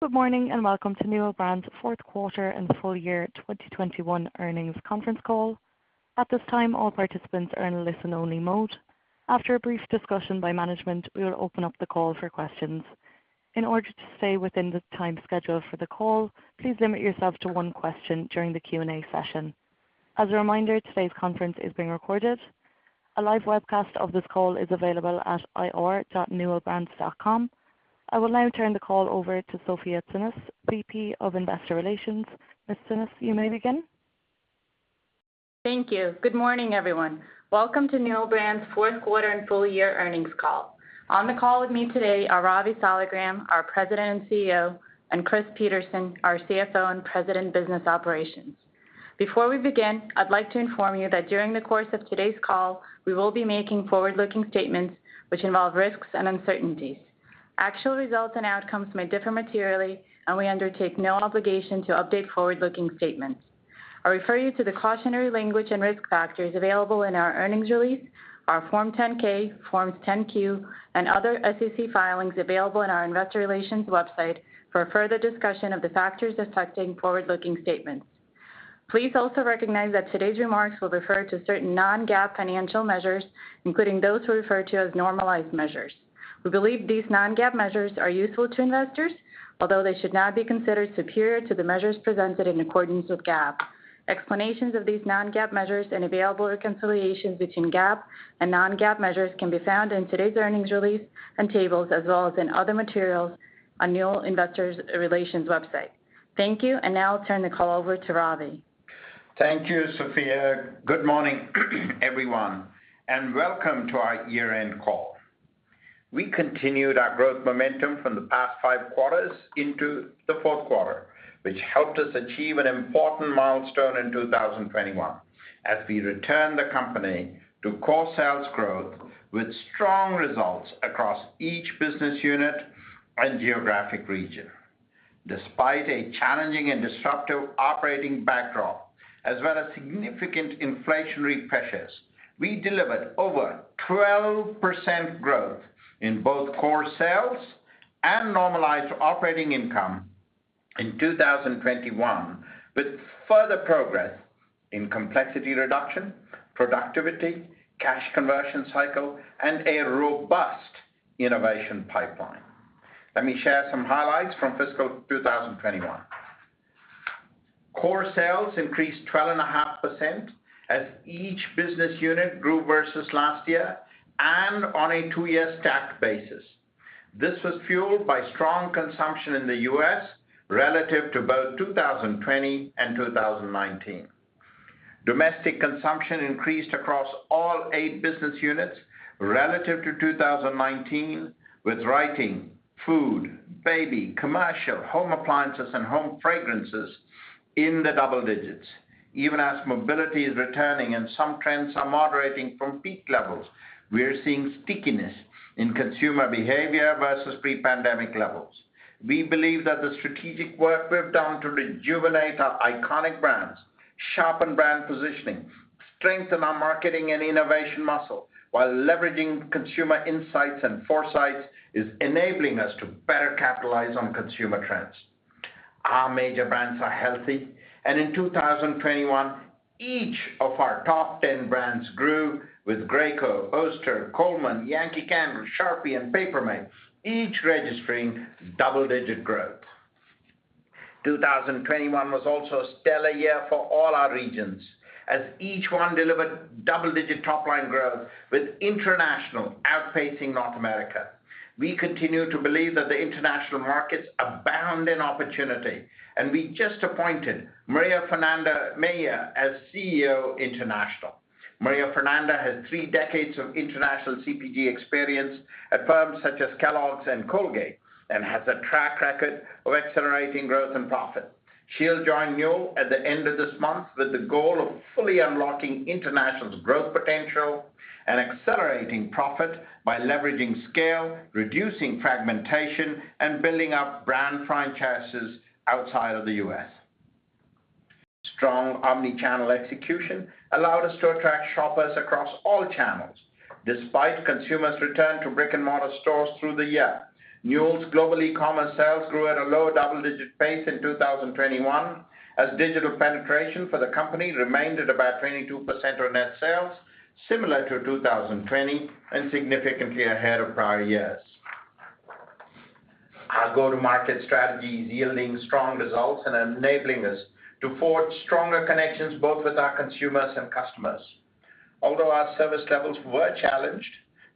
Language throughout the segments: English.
Good morning, and welcome to Newell Brands fourth quarter and full year 2021 earnings conference call. At this time, all participants are in listen only mode. After a brief discussion by management, we will open up the call for questions. In order to stay within the time schedule for the call, please limit yourself to one question during the Q&A session. As a reminder, today's conference is being recorded. A live webcast of this call is available at ir.newellbrands.com. I will now turn the call over to Sofya Tsinis, VP of Investor Relations. Ms. Tsinis, you may begin. Thank you. Good morning, everyone. Welcome to Newell Brands fourth quarter and full year earnings call. On the call with me today are Ravi Saligram, our President and CEO, and Chris Peterson, our CFO and President, Business Operations. Before we begin, I'd like to inform you that during the course of today's call, we will be making forward-looking statements which involve risks and uncertainties. Actual results and outcomes may differ materially, and we undertake no obligation to update forward-looking statements. I refer you to the cautionary language and risk factors available in our earnings release, our Form 10-K, Forms 10-Q, and other SEC filings available in our investor relations website for a further discussion of the factors affecting forward-looking statements. Please also recognize that today's remarks will refer to certain non-GAAP financial measures, including those we refer to as normalized measures. We believe these non-GAAP measures are useful to investors, although they should not be considered superior to the measures presented in accordance with GAAP. Explanations of these non-GAAP measures and available reconciliations between GAAP and non-GAAP measures can be found in today's earnings release and tables, as well as in other materials on Newell Investor Relations website. Thank you, and now I'll turn the call over to Ravi. Thank you, Sofya. Good morning, everyone, and welcome to our year-end call. We continued our growth momentum from the past five quarters into the fourth quarter, which helped us achieve an important milestone in 2021 as we return the company to core sales growth with strong results across each business unit and geographic region. Despite a challenging and disruptive operating backdrop, as well as significant inflationary pressures, we delivered over 12% growth in both core sales and normalized operating income in 2021, with further progress in complexity reduction, productivity, cash conversion cycle, and a robust innovation pipeline. Let me share some highlights from fiscal 2021. Core sales increased 12.5% as each business unit grew versus last year and on a two-year stacked basis. This was fueled by strong consumption in the U.S. relative to both 2020 and 2019. Domestic consumption increased across all eight business units relative to 2019, with Writing, Food, Baby, Commercial, Home Appliances and Home Fragrances in the double digits. Even as mobility is returning and some trends are moderating from peak levels, we are seeing stickiness in consumer behavior versus pre-pandemic levels. We believe that the strategic work we've done to rejuvenate our iconic brands, sharpen brand positioning, strengthen our marketing and innovation muscle while leveraging consumer insights and foresights is enabling us to better capitalize on consumer trends. Our major brands are healthy, and in 2021, each of our top ten brands grew, with Graco, Oster, Coleman, Yankee Candle, Sharpie and Paper Mate, each registering double-digit growth. 2021 was also a stellar year for all our regions, as each one delivered double-digit top-line growth, with international outpacing North America. We continue to believe that the international markets abound in opportunity, and we just appointed Maria Fernanda Mejia as CEO, International. Maria Fernanda has three decades of international CPG experience at firms such as Kellogg's and Colgate and has a track record of accelerating growth and profit. She'll join Newell at the end of this month with the goal of fully unlocking international's growth potential and accelerating profit by leveraging scale, reducing fragmentation, and building up brand franchises outside of the U.S. Strong omni-channel execution allowed us to attract shoppers across all channels. Despite consumers' return to brick-and-mortar stores through the year, Newell Brands' global e-commerce sales grew at a low double-digit pace in 2021, as digital penetration for the company remained at about 22% of net sales, similar to 2020 and significantly ahead of prior years. Our go-to-market strategy is yielding strong results and enabling us to forge stronger connections both with our consumers and customers. Although our service levels were challenged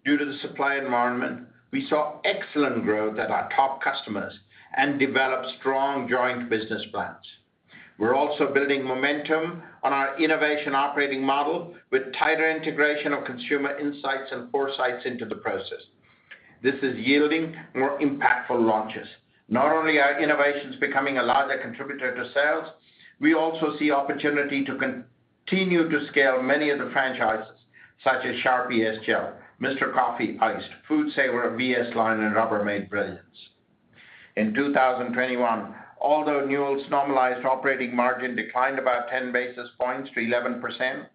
due to the supply environment, we saw excellent growth at our top customers and developed strong joint business plans. We're also building momentum on our innovation operating model with tighter integration of consumer insights and foresights into the process. This is yielding more impactful launches. Not only are innovations becoming a larger contributor to sales, we also see opportunity to continue to scale many of the franchises such as Sharpie S-Gel, Mr. Coffee Iced, FoodSaver, VS Line, and Rubbermaid Brilliance. In 2021, although Newell's normalized operating margin declined about 10 basis points to 11%,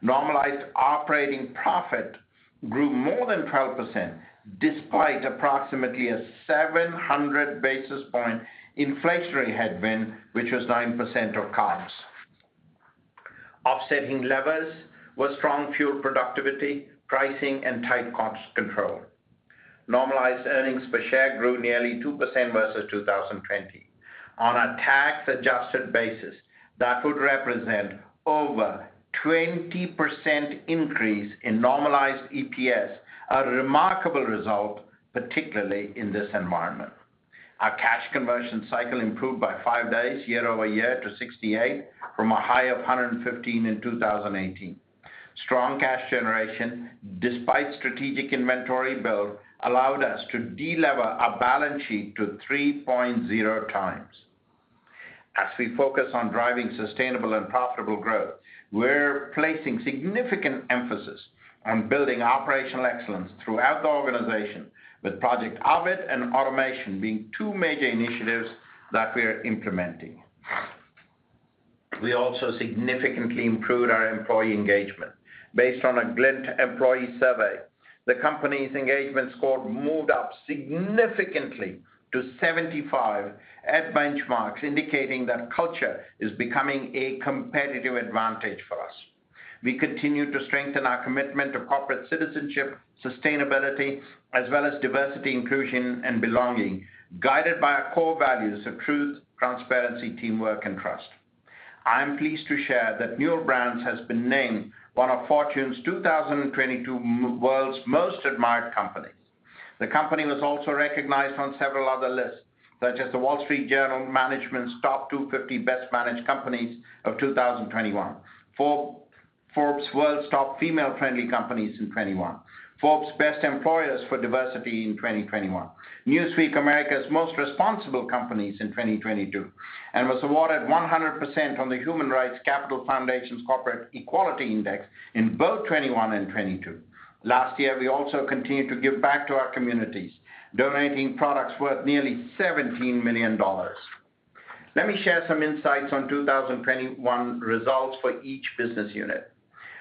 normalized operating profit grew more than 12% despite approximately a 700 basis point inflationary headwind, which was 9% of comps. Offsetting levers was strong fuel productivity, pricing, and tight cost control. Normalized earnings per share grew nearly 2% versus 2020. On a tax-adjusted basis, that would represent over 20% increase in normalized EPS, a remarkable result, particularly in this environment. Our cash conversion cycle improved by five days year-over-year to 68 from a high of 115 in 2018. Strong cash generation, despite strategic inventory build, allowed us to de-lever our balance sheet to 3.0x. As we focus on driving sustainable and profitable growth, we're placing significant emphasis on building operational excellence throughout the organization with Project Ovid and automation being two major initiatives that we are implementing. We also significantly improved our employee engagement. Based on a Glint employee survey, the company's engagement score moved up significantly to 75 at benchmarks, indicating that culture is becoming a competitive advantage for us. We continue to strengthen our commitment to corporate citizenship, sustainability, as well as diversity, inclusion, and belonging, guided by our core values of truth, transparency, teamwork, and trust. I am pleased to share that Newell Brands has been named one of Fortune's 2022 World's Most Admired Companies. The company was also recognized on several other lists, such as The Wall Street Journal Management's Top 250 Best Managed Companies of 2021, Forbes World's Top Female-Friendly Companies in 2021, Forbes Best Employers for Diversity in 2021, Newsweek America's Most Responsible Companies in 2022, and was awarded 100% on the Human Rights Capital Foundation's Corporate Equality Index in both 2021 and 2022. Last year, we also continued to give back to our communities, donating products worth nearly $17 million. Let me share some insights on 2021 results for each business unit.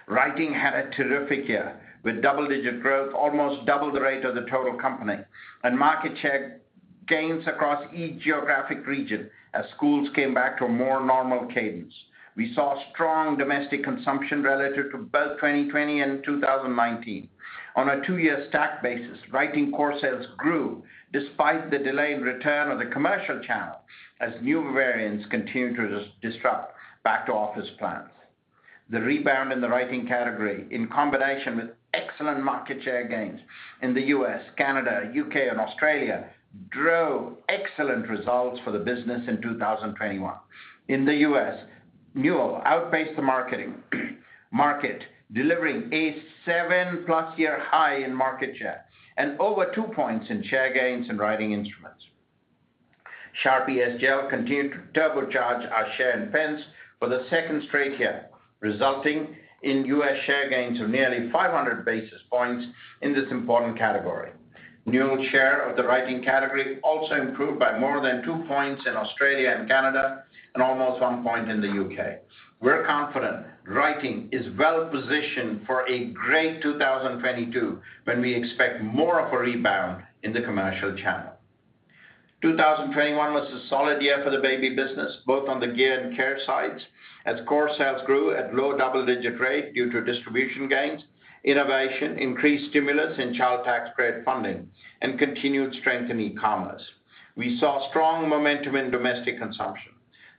Writing had a terrific year with double-digit growth, almost double the rate of the total company, and market share gains across each geographic region as schools came back to a more normal cadence. We saw strong domestic consumption relative to both 2020 and 2019. On a two-year stack basis, writing core sales grew despite the delayed return of the Commercial channel as new variants continued to disrupt back-to-office plans. The rebound in the Writing category, in combination with excellent market share gains in the U.S., Canada, U.K., and Australia, drove excellent results for the business in 2021. In the U.S., Newell outpaced the market, delivering a 7+ year high in market share and over two points in share gains in writing instruments. Sharpie S-Gel continued to turbocharge our share in pens for the second straight year, resulting in U.S. share gains of nearly 500 basis points in this important category. Newell share of the Writing category also improved by more than two points in Australia and Canada and almost one point in the U.K. We're confident Writing is well-positioned for a great 2022 when we expect more of a rebound in the Commercial channel. 2021 was a solid year for the Baby business, both on the gear and care sides, as core sales grew at low double-digit rate due to distribution gains, innovation, increased stimulus, and child tax credit funding, and continued strength in e-commerce. We saw strong momentum in domestic consumption.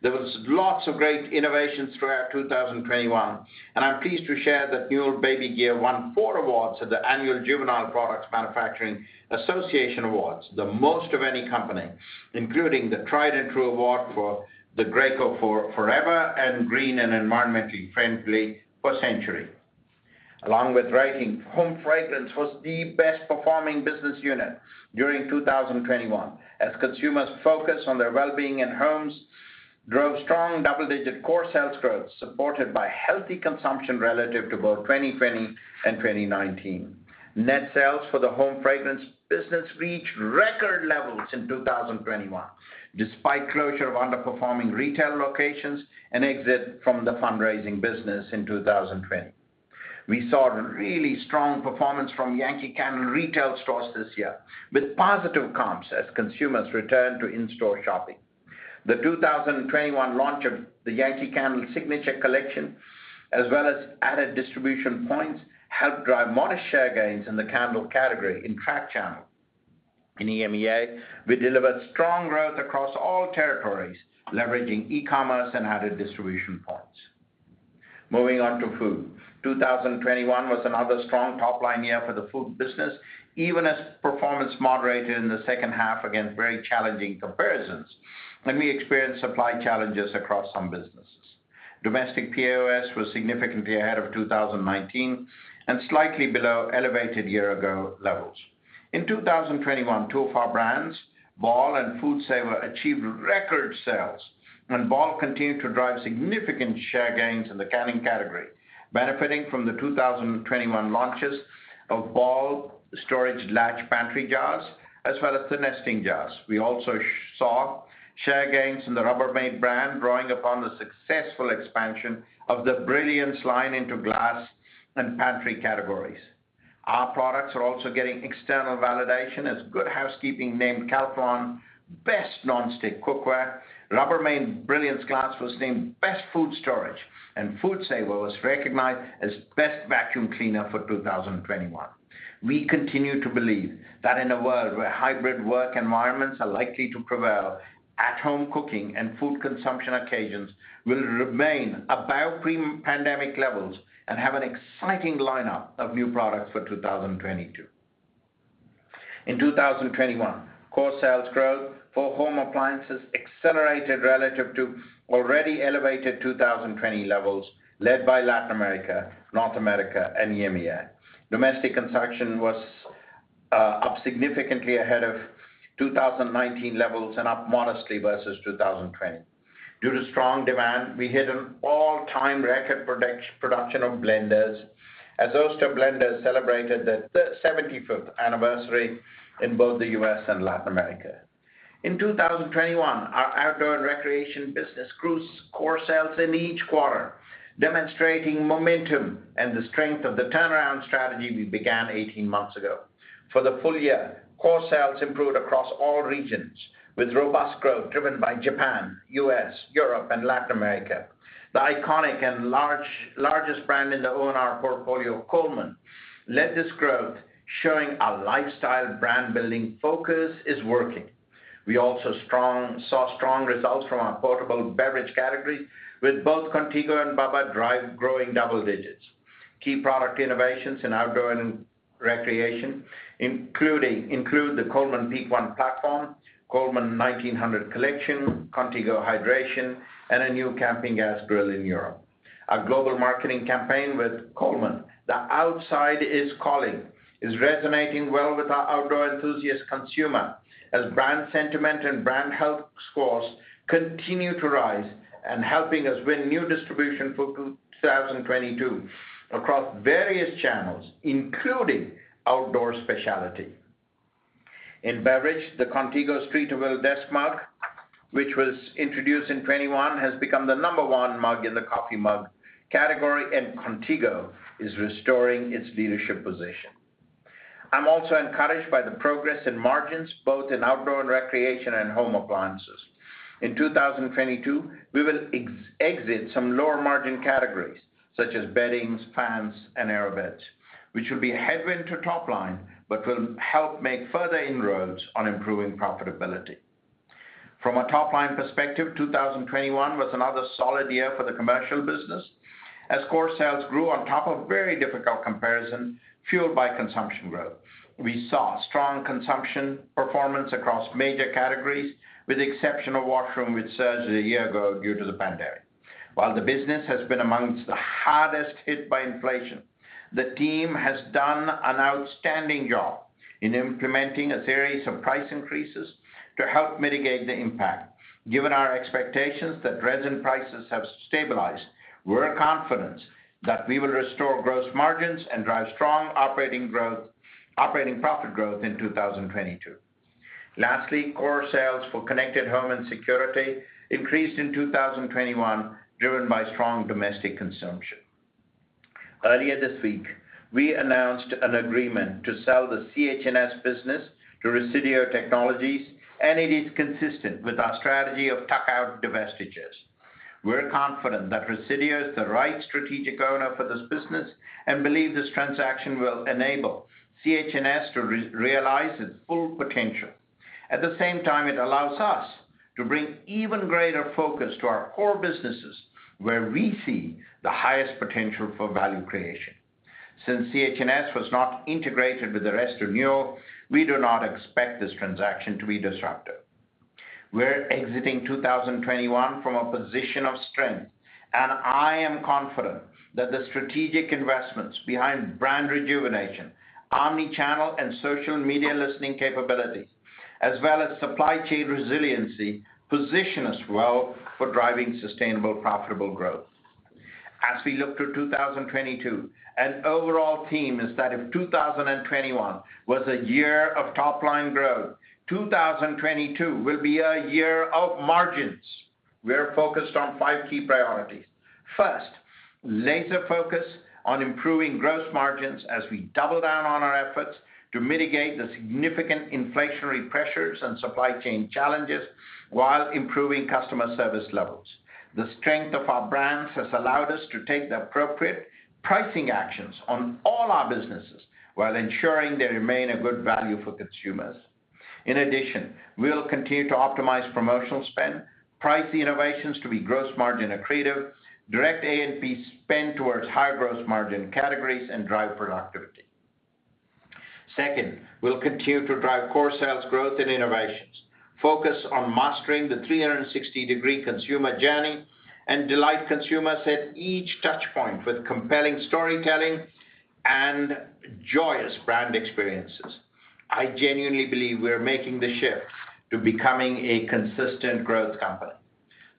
There was lots of great innovations throughout 2021, and I'm pleased to share that Newell Baby Gear won four awards at the annual Juvenile Products Manufacturers Association Awards, the most of any company, including the Tried and True Award for the Graco 4Ever and Green/Environmentally Friendly for Century. Along with Writing, Home Fragrance was the best performing business unit during 2021 as consumers focused on their well-being and homes, drove strong double-digit core sales growth, supported by healthy consumption relative to both 2020 and 2019. Net sales for the Home Fragrance business reached record levels in 2021, despite closure of underperforming retail locations and exit from the fundraising business in 2020. We saw really strong performance from Yankee Candle retail stores this year, with positive comps as consumers returned to in-store shopping. The 2021 launch of the Yankee Candle Signature Collection, as well as added distribution points, helped drive modest share gains in the candle category in tracked channels. In EMEA, we delivered strong growth across all territories, leveraging e-commerce and added distribution points. Moving on to Food. 2021 was another strong top-line year for the Food business, even as performance moderated in the second half against very challenging comparisons, and we experienced supply challenges across some businesses. Domestic POS was significantly ahead of 2019 and slightly below elevated year ago levels. In 2021, two of our brands, Ball and FoodSaver, achieved record sales, and Ball continued to drive significant share gains in the canning category, benefiting from the 2021 launches of Ball storage latch pantry jars as well as the nesting jars. We also saw share gains in the Rubbermaid brand, drawing upon the successful expansion of the Brilliance line into glass and pantry categories. Our products are also getting external validation as Good Housekeeping named Calphalon Best Nonstick Cookware, Rubbermaid Brilliance Glass was named Best Food Storage, and FoodSaver was recognized as Best Vacuum Sealer for 2021. We continue to believe that in a world where hybrid work environments are likely to prevail, at-home cooking and food consumption occasions will remain above pre-pandemic levels and have an exciting lineup of new products for 2022. In 2021, core sales growth for Home Appliances accelerated relative to already elevated 2020 levels led by Latin America, North America, and EMEA. Domestic construction was up significantly ahead of 2019 levels and up modestly versus 2020. Due to strong demand, we hit an all-time record product production of blenders as Oster blenders celebrated the 75th anniversary in both the U.S. and Latin America. In 2021, our Outdoor & Recreation business grew core sales in each quarter, demonstrating momentum and the strength of the turnaround strategy we began 18 months ago. For the full year, core sales improved across all regions with robust growth driven by Japan, U.S., Europe, and Latin America. The iconic and largest brand in the O&R portfolio, Coleman, led this growth, showing our lifestyle brand building focus is working. We also saw strong results from our portable beverage category with both Contigo and Bubba driving double digits. Key product innovations in Outdoor & Recreation including the Coleman PEAK1 platform, Coleman 1900 Collection, Contigo hydration, and a new camping gas grill in Europe. Our global marketing campaign with Coleman, The Outside Is Calling, is resonating well with our outdoor enthusiast consumer as brand sentiment and brand health scores continue to rise and helping us win new distribution for 2022 across various channels, including outdoor specialty. In beverage, the Contigo Streeterville Desk Mug, which was introduced in 2021, has become the number one mug in the coffee mug category, and Contigo is restoring its leadership position. I'm also encouraged by the progress in margins, both in Outdoor & Recreation and Home Appliances. In 2022, we will exit some lower margin categories such as bedding, fans, and airbeds, which will be a headwind to top line but will help make further inroads on improving profitability. From a top-line perspective, 2021 was another solid year for the Commercial business as core sales grew on top of very difficult comparison fueled by consumption growth. We saw strong consumption performance across major categories, with the exception of washroom, which surged a year ago due to the pandemic. While the business has been among the hardest hit by inflation, the team has done an outstanding job in implementing a series of price increases to help mitigate the impact. Given our expectations that resin prices have stabilized, we're confident that we will restore gross margins and drive strong operating profit growth in 2022. Lastly, core sales for Connected Home & Security increased in 2021, driven by strong domestic consumption. Earlier this week, we announced an agreement to sell the CH&S business to Resideo Technologies, and it is consistent with our strategy of tuck-out divestitures. We're confident that Resideo is the right strategic owner for this business and believe this transaction will enable CH&S to re-realize its full potential. At the same time, it allows us to bring even greater focus to our core businesses where we see the highest potential for value creation. Since CH&S was not integrated with the rest of Newell, we do not expect this transaction to be disruptive. We're exiting 2021 from a position of strength, and I am confident that the strategic investments behind brand rejuvenation, omni-channel and social media listening capabilities, as well as supply chain resiliency, position us well for driving sustainable, profitable growth. As we look to 2022, an overall theme is that if 2021 was a year of top-line growth, 2022 will be a year of margins. We are focused on five key priorities. First, laser focus on improving gross margins as we double down on our efforts to mitigate the significant inflationary pressures and supply chain challenges while improving customer service levels. The strength of our brands has allowed us to take the appropriate pricing actions on all our businesses while ensuring they remain a good value for consumers. In addition, we will continue to optimize promotional spend, price innovations to be gross margin accretive, direct A&P spend towards higher gross margin categories, and drive productivity. Second, we'll continue to drive core sales growth and innovations, focus on mastering the 360-degree consumer journey, and delight consumers at each touchpoint with compelling storytelling and joyous brand experiences. I genuinely believe we're making the shift to becoming a consistent growth company.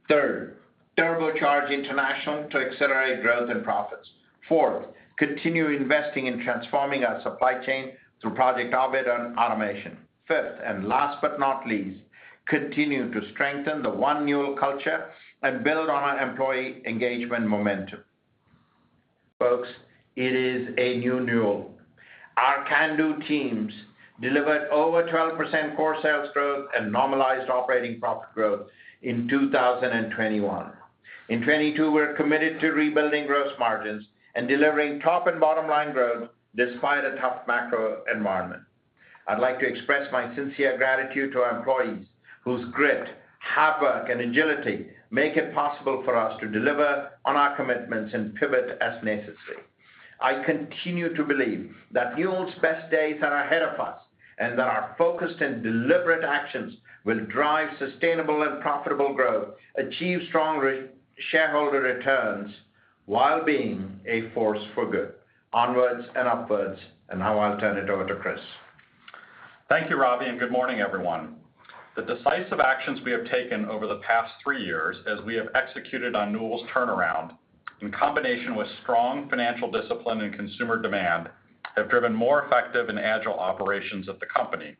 Third, turbocharge international to accelerate growth and profits. Fourth, continue investing in transforming our supply chain through Project Ovid and automation. Fifth, and last but not least, continue to strengthen the One Newell culture and build on our employee engagement momentum. Folks, it is a new Newell. Our can-do teams delivered over 12% core sales growth and normalized operating profit growth in 2021. In 2022, we're committed to rebuilding gross margins and delivering top and bottom line growth despite a tough macro environment. I'd like to express my sincere gratitude to our employees whose grit, hard work, and agility make it possible for us to deliver on our commitments and pivot as necessary. I continue to believe that Newell's best days are ahead of us, and that our focused and deliberate actions will drive sustainable and profitable growth, achieve strong shareholder returns while being a force for good. Onwards and upwards, now I'll turn it over to Chris. Thank you, Ravi, and good morning, everyone. The decisive actions we have taken over the past three years as we have executed on Newell's turnaround, in combination with strong financial discipline and consumer demand, have driven more effective and agile operations of the company.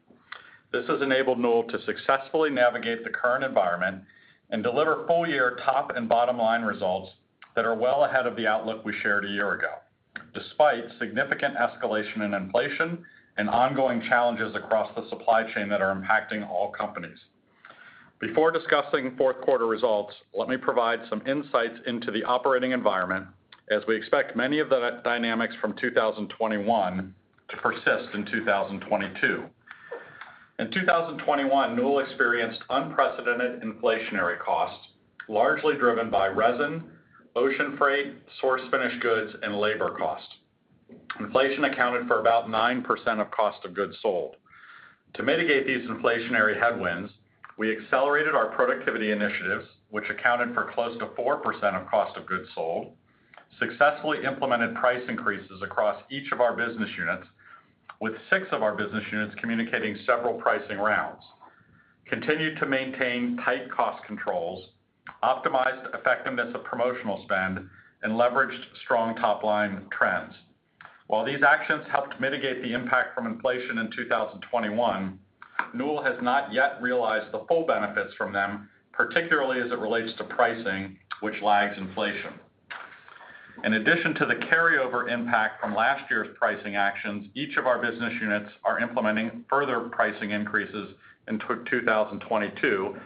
This has enabled Newell to successfully navigate the current environment and deliver full-year top and bottom-line results that are well ahead of the outlook we shared a year ago, despite significant escalation in inflation and ongoing challenges across the supply chain that are impacting all companies. Before discussing fourth quarter results, let me provide some insights into the operating environment as we expect many of the dynamics from 2021 to persist in 2022. In 2021, Newell experienced unprecedented inflationary costs, largely driven by resin, ocean freight, source finished goods, and labor cost. Inflation accounted for about 9% of cost of goods sold. To mitigate these inflationary headwinds, we accelerated our productivity initiatives, which accounted for close to 4% of cost of goods sold, successfully implemented price increases across each of our business units, with six of our business units communicating several pricing rounds, continued to maintain tight cost controls, optimized effectiveness of promotional spend, and leveraged strong top-line trends. While these actions helped mitigate the impact from inflation in 2021, Newell has not yet realized the full benefits from them, particularly as it relates to pricing, which lags inflation. In addition to the carryover impact from last year's pricing actions, each of our business units are implementing further pricing increases in 2022,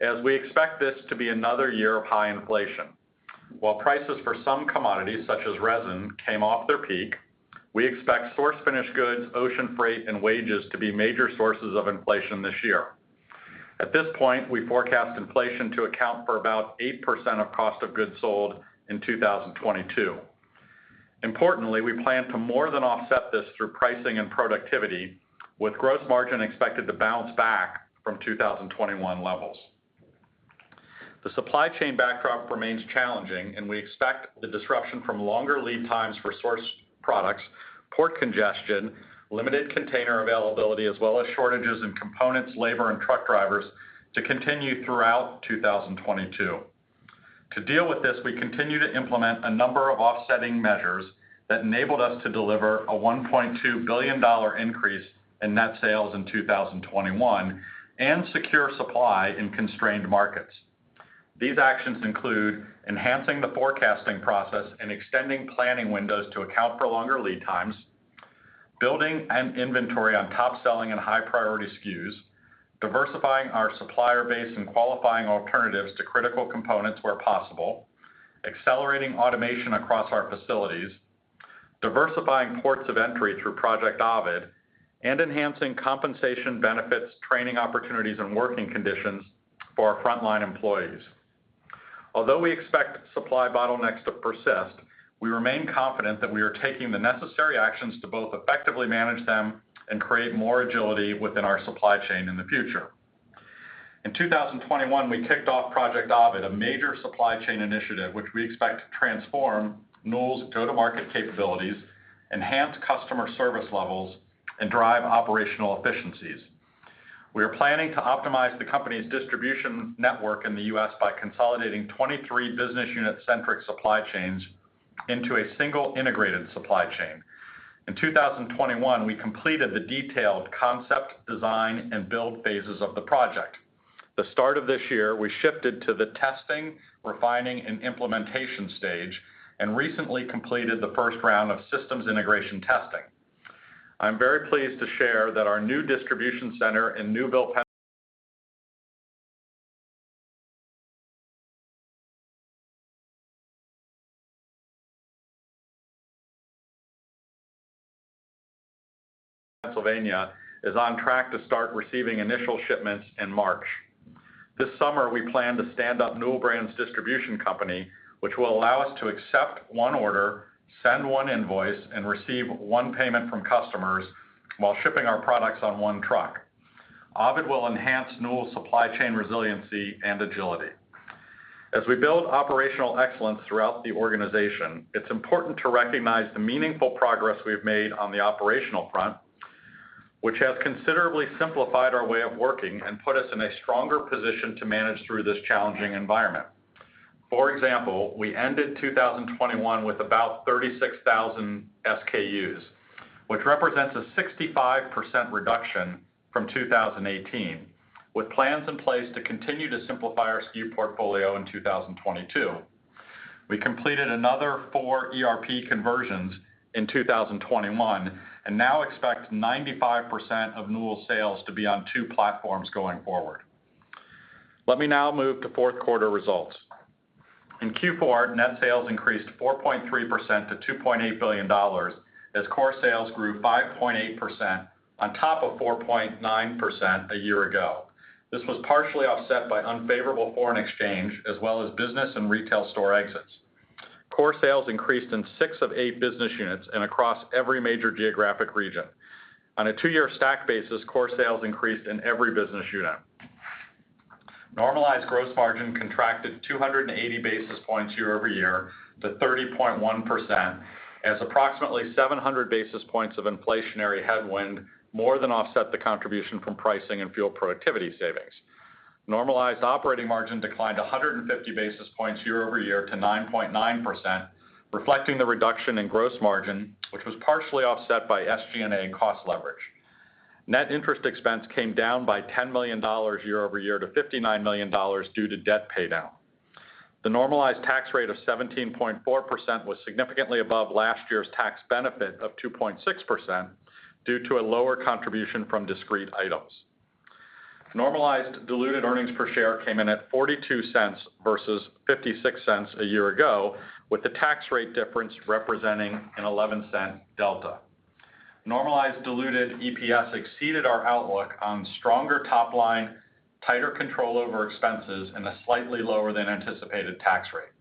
as we expect this to be another year of high inflation. While prices for some commodities, such as resin, came off their peak, we expect sourced finished goods, ocean freight, and wages to be major sources of inflation this year. At this point, we forecast inflation to account for about 8% of cost of goods sold in 2022. Importantly, we plan to more than offset this through pricing and productivity, with gross margin expected to bounce back from 2021 levels. The supply chain backdrop remains challenging, and we expect the disruption from longer lead times for sourced products, port congestion, limited container availability, as well as shortages in components, labor, and truck drivers to continue throughout 2022. To deal with this, we continue to implement a number of offsetting measures that enabled us to deliver a $1.2 billion increase in net sales in 2021 and secure supply in constrained markets. These actions include enhancing the forecasting process and extending planning windows to account for longer lead times, building an inventory on top-selling and high-priority SKUs, diversifying our supplier base and qualifying alternatives to critical components where possible, accelerating automation across our facilities, diversifying ports of entry through Project Ovid, and enhancing compensation benefits, training opportunities, and working conditions for our frontline employees. Although we expect supply bottlenecks to persist, we remain confident that we are taking the necessary actions to both effectively manage them and create more agility within our supply chain in the future. In 2021, we kicked off Project Ovid, a major supply chain initiative which we expect to transform Newell Brands' go-to-market capabilities, enhance customer service levels, and drive operational efficiencies. We are planning to optimize the company's distribution network in the U.S. by consolidating 23 business unit-centric supply chains into a single integrated supply chain. In 2021, we completed the detailed concept, design, and build phases of the project. The start of this year, we shifted to the testing, refining, and implementation stage and recently completed the first round of systems integration testing. I'm very pleased to share that our new distribution center in Newville, Pennsylvania is on track to start receiving initial shipments in March. This summer, we plan to stand up Newell Brands Distribution Company, which will allow us to accept one order, send one invoice, and receive one payment from customers while shipping our products on one truck. Ovid will enhance Newell's supply chain resiliency and agility. As we build operational excellence throughout the organization, it's important to recognize the meaningful progress we have made on the operational front, which has considerably simplified our way of working and put us in a stronger position to manage through this challenging environment. For example, we ended 2021 with about 36,000 SKUs, which represents a 65% reduction from 2018, with plans in place to continue to simplify our SKU portfolio in 2022. We completed another four ERP conversions in 2021, and now expect 95% of Newell sales to be on two platforms going forward. Let me now move to fourth quarter results. In Q4, net sales increased 4.3% to $2.8 billion, as core sales grew 5.8% on top of 4.9% a year ago. This was partially offset by unfavorable foreign exchange as well as business and retail store exits. Core sales increased in six of eight business units and across every major geographic region. On a two-year stack basis, core sales increased in every business unit. Normalized gross margin contracted 280 basis points year-over-year to 30.1% as approximately 700 basis points of inflationary headwind more than offset the contribution from pricing and fuel productivity savings. Normalized operating margin declined 150 basis points year-over-year to 9.9%, reflecting the reduction in gross margin, which was partially offset by and cost leverage. Net interest expense came down by $10 million year-over-year to $59 million due to debt paydown. The normalized tax rate of 17.4% was significantly above last year's tax benefit of 2.6% due to a lower contribution from discrete items. Normalized diluted earnings per share came in at $0.42 versus $0.56 a year ago, with the tax rate difference representing an $0.11 delta. Normalized diluted EPS exceeded our outlook on stronger top line, tighter control over expenses, and a slightly lower than anticipated tax rate.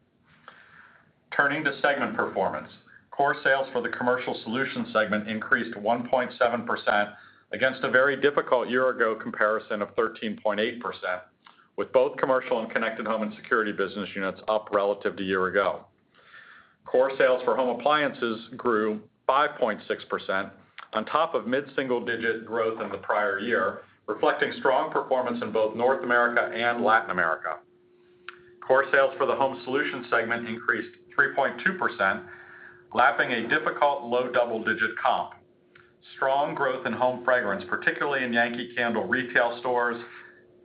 Turning to segment performance. Core sales for the Commercial solutions segment increased 1.7% against a very difficult year-ago comparison of 13.8%, with both Commercial and Connected Home & Security business units up relative to a year ago. Core sales for Home Appliances grew 5.6% on top of mid-single digit growth in the prior year, reflecting strong performance in both North America and Latin America. Core sales for the home solutions segment increased 3.2%, lapping a difficult low double-digit comp. Strong growth in Home Fragrance, particularly in Yankee Candle retail stores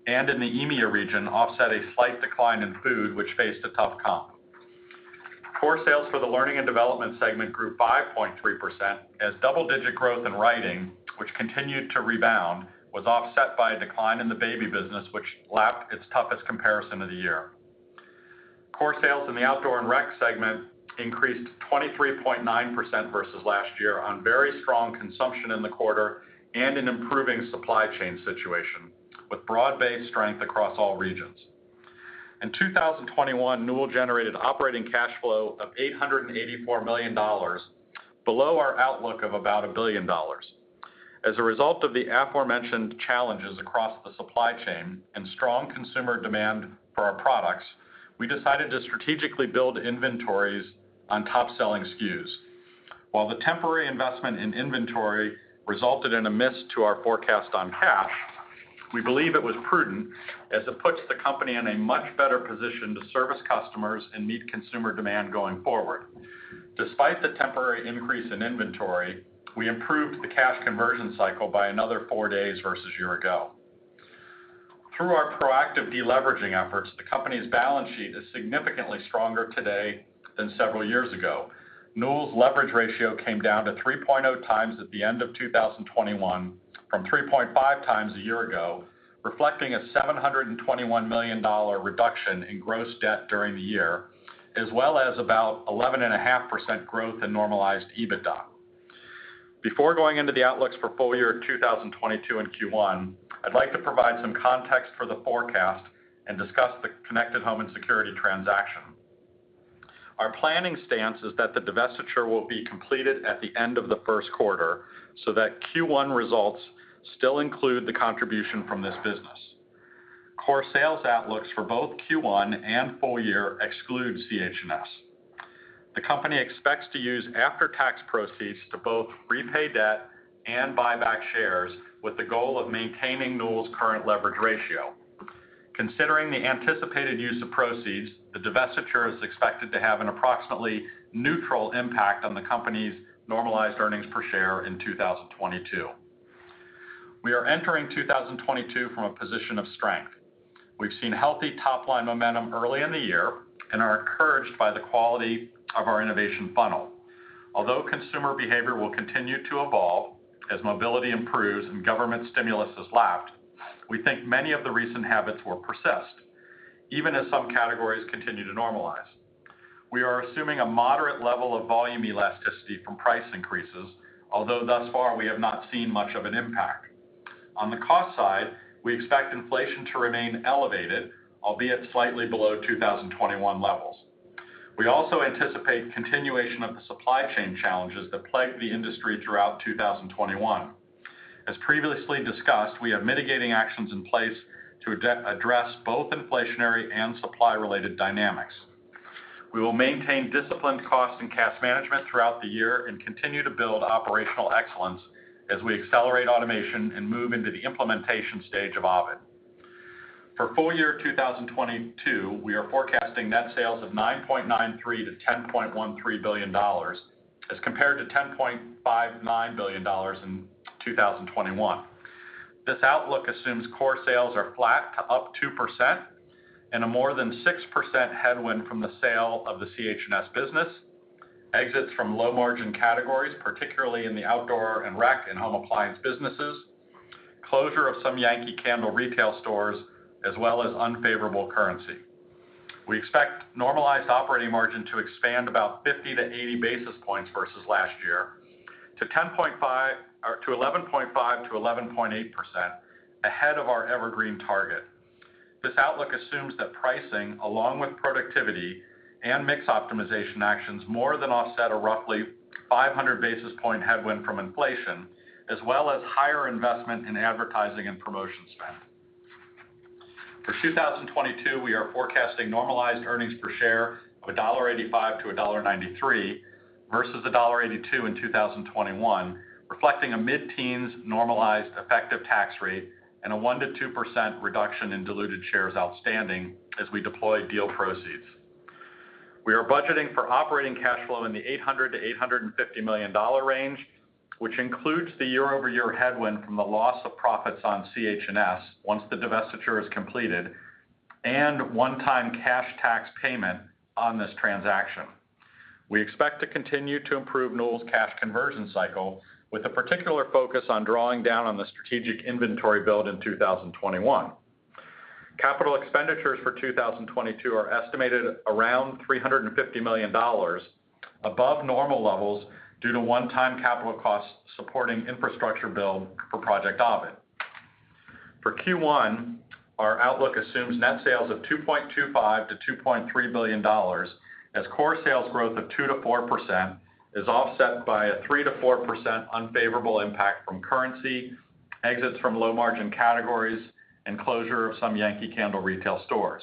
and in the EMEA region, offset a slight decline in food, which faced a tough comp. Core sales for the Learning and Development segment grew 5.3% as double-digit growth in Writing, which continued to rebound, was offset by a decline in the Baby business, which lapped its toughest comparison of the year. Core sales in the Outdoor & Recreation segment increased 23.9% versus last year on very strong consumption in the quarter and an improving supply chain situation with broad-based strength across all regions. In 2021, Newell generated operating cash flow of $884 million, below our outlook of about $1 billion. As a result of the aforementioned challenges across the supply chain and strong consumer demand for our products, we decided to strategically build inventories on top-selling SKUs. While the temporary investment in inventory resulted in a miss to our forecast on cash, we believe it was prudent as it puts the company in a much better position to service customers and meet consumer demand going forward. Despite the temporary increase in inventory, we improved the cash conversion cycle by another four days versus a year ago. Through our proactive deleveraging efforts, the company's balance sheet is significantly stronger today than several years ago. Newell Brands' leverage ratio came down to 3.0x at the end of 2021 from 3.5x a year ago, reflecting a $721 million reduction in gross debt during the year, as well as about 11.5% growth in normalized EBITDA. Before going into the outlooks for full year 2022 and Q1, I'd like to provide some context for the forecast and discuss the Connected Home & Security transaction. Our planning stance is that the divestiture will be completed at the end of the first quarter so that Q1 results still include the contribution from this business. Core sales outlooks for both Q1 and full year excludes CH&S. The company expects to use after-tax proceeds to both repay debt and buy back shares with the goal of maintaining Newell's current leverage ratio. Considering the anticipated use of proceeds, the divestiture is expected to have an approximately neutral impact on the company's normalized earnings per share in 2022. We are entering 2022 from a position of strength. We've seen healthy top-line momentum early in the year and are encouraged by the quality of our innovation funnel. Although consumer behavior will continue to evolve as mobility improves and government stimulus is lapped, we think many of the recent habits will persist, even as some categories continue to normalize. We are assuming a moderate level of volume elasticity from price increases, although thus far, we have not seen much of an impact. On the cost side, we expect inflation to remain elevated, albeit slightly below 2021 levels. We also anticipate continuation of the supply chain challenges that plagued the industry throughout 2021. As previously discussed, we have mitigating actions in place to address both inflationary and supply-related dynamics. We will maintain disciplined cost and cash management throughout the year and continue to build operational excellence as we accelerate automation and move into the implementation stage of Ovid. For full year 2022, we are forecasting net sales of $9.93 billion-$10.13 billion as compared to $10.59 billion in 2021. This outlook assumes core sales are flat to up 2% and a more than 6% headwind from the sale of the CH&S business, exits from low-margin categories, particularly in the Outdoor & Rec and Home Appliance businesses, closure of some Yankee Candle retail stores, as well as unfavorable currency. We expect normalized operating margin to expand about 50 to 80 basis points versus last year to 10.5% or 11.5%-11.8% ahead of our evergreen target. This outlook assumes that pricing, along with productivity and mix optimization actions, more than offset a roughly 500 basis point headwind from inflation, as well as higher investment in advertising and promotion spend. For 2022, we are forecasting normalized earnings per share of $1.85-$1.93 versus $1.82 in 2021, reflecting a mid-teens normalized effective tax rate and a 1%-2% reduction in diluted shares outstanding as we deploy deal proceeds. We are budgeting for operating cash flow in the $800 million-$850 million range, which includes the year-over-year headwind from the loss of profits on CH&S once the divestiture is completed and one-time cash tax payment on this transaction. We expect to continue to improve Newell's cash conversion cycle with a particular focus on drawing down on the strategic inventory build in 2021. Capital expenditures for 2022 are estimated around $350 million above normal levels due to one-time capital costs supporting infrastructure build for Project Ovid. For Q1, our outlook assumes net sales of $2.25 billion-$2.3 billion as core sales growth of 2%-4% is offset by a 3%-4% unfavorable impact from currency, exits from low-margin categories, and closure of some Yankee Candle retail stores.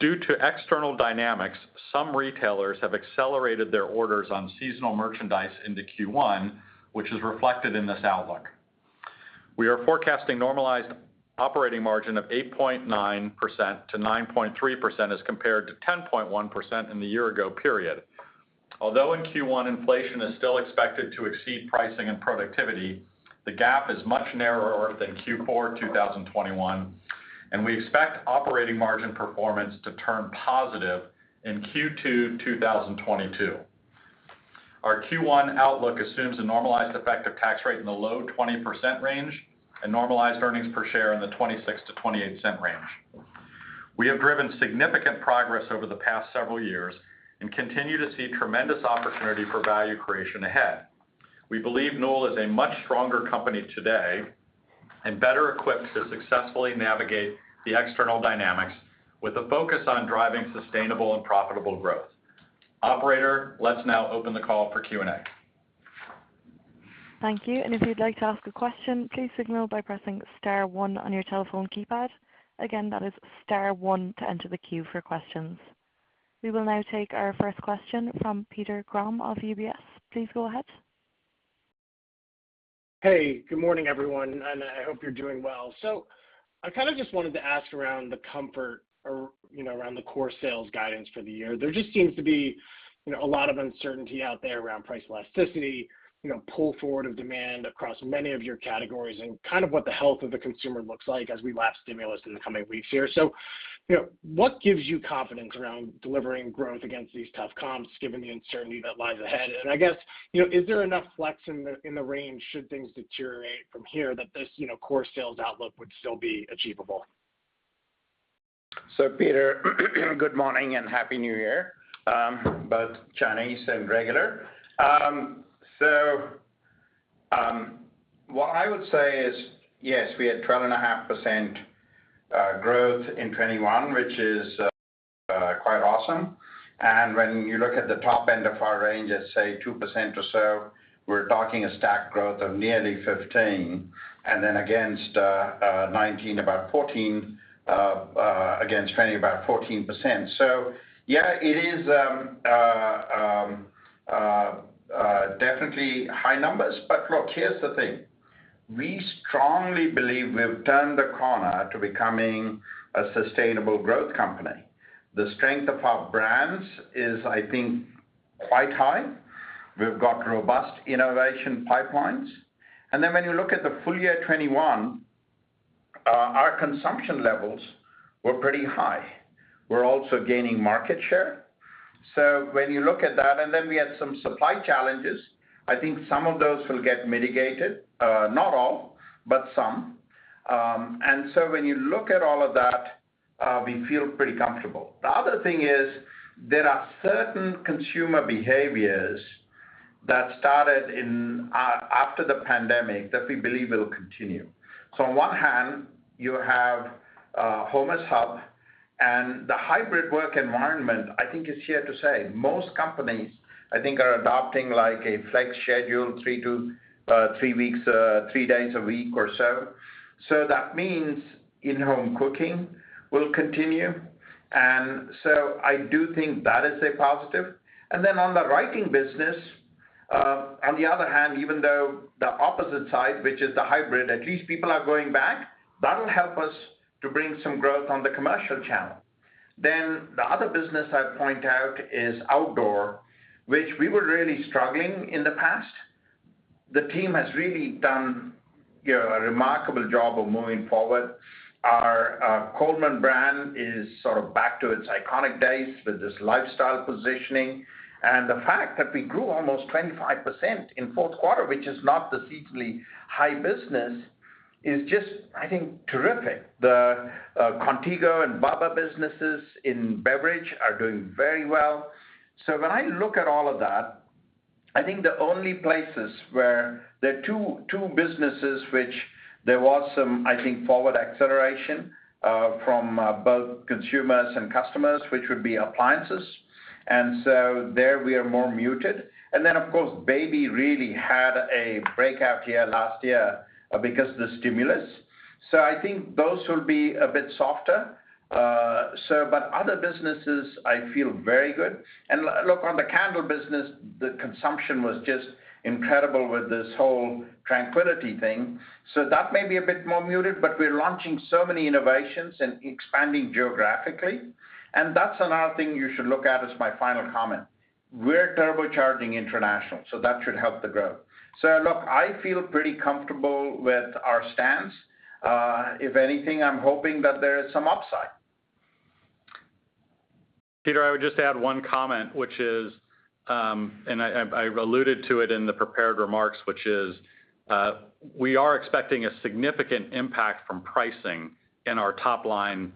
Due to external dynamics, some retailers have accelerated their orders on seasonal merchandise into Q1, which is reflected in this outlook. We are forecasting normalized operating margin of 8.9%-9.3% as compared to 10.1% in the year ago period. Although in Q1, inflation is still expected to exceed pricing and productivity, the gap is much narrower than Q4 2021, and we expect operating margin performance to turn positive in Q2 2022. Our Q1 outlook assumes a normalized effective tax rate in the low 20% range and normalized earnings per share in the $0.26-$0.28 range. We have driven significant progress over the past several years and continue to see tremendous opportunity for value creation ahead. We believe Newell is a much stronger company today and better equipped to successfully navigate the external dynamics with a focus on driving sustainable and profitable growth. Operator, let's now open the call for Q&A. Thank you. If you'd like to ask a question, please signal by pressing star one on your telephone keypad. Again, that is star one to enter the queue for questions. We will now take our first question from Peter Grom of UBS. Please go ahead. Hey, good morning, everyone, and I hope you're doing well. I kinda just wanted to ask around the comfort or, you know, around the core sales guidance for the year. There just seems to be, you know, a lot of uncertainty out there around price elasticity, you know, pull forward of demand across many of your categories and kind of what the health of the consumer looks like as we lap stimulus in the coming weeks here. You know, what gives you confidence around delivering growth against these tough comps, given the uncertainty that lies ahead? I guess, you know, is there enough flex in the range should things deteriorate from here that this, you know, core sales outlook would still be achievable? Peter, good morning and happy New Year, both Chinese and regular. What I would say is, yes, we had 12.5% growth in 2021, which is quite awesome. When you look at the top end of our range at, say, 2% or so, we're talking a stack growth of nearly 15%. Then against 2019, about 14%, against 2020, about 14%. Yeah, it is definitely high numbers. Look, here's the thing. We strongly believe we've turned the corner to becoming a sustainable growth company. The strength of our brands is, I think, quite high. We've got robust innovation pipelines. When you look at the full year 2021, our consumption levels were pretty high. We're also gaining market share. When you look at that, and then we had some supply challenges, I think some of those will get mitigated, not all, but some. When you look at all of that, we feel pretty comfortable. The other thing is, there are certain consumer behaviors that started after the pandemic that we believe will continue. On one hand you have home as hub, and the hybrid work environment, I think is here to stay. Most companies, I think are adopting like a flex schedule two to three days a week or so. That means in-home cooking will continue. I do think that is a positive. Then on the Writing business, on the other hand, even though the opposite side, which is the hybrid, at least people are going back, that'll help us to bring some growth on the Commercial channel. The other business I'd point out is Outdoor, which we were really struggling in the past. The team has really done, you know, a remarkable job of moving forward. Our Coleman brand is sort of back to its iconic days with this lifestyle positioning. The fact that we grew almost 25% in fourth quarter, which is not the seasonally high business, is just, I think, terrific. The Contigo and Bubba businesses in beverage are doing very well. When I look at all of that, I think the only places where there are two businesses which there was some, I think, forward acceleration from both consumers and customers, which would be Appliances. There we are more muted. Of course, Baby really had a breakout year last year because of the stimulus. I think those will be a bit softer. But other businesses, I feel very good. Look, on the Candle business, the consumption was just incredible with this whole tranquility thing, so that may be a bit more muted, but we're launching so many innovations and expanding geographically. That's another thing you should look at as my final comment. We're turbocharging international, so that should help the growth. Look, I feel pretty comfortable with our stance. If anything, I'm hoping that there is some upside. Peter, I would just add one comment, which is, I alluded to it in the prepared remarks, which is, we are expecting a significant impact from pricing in our top line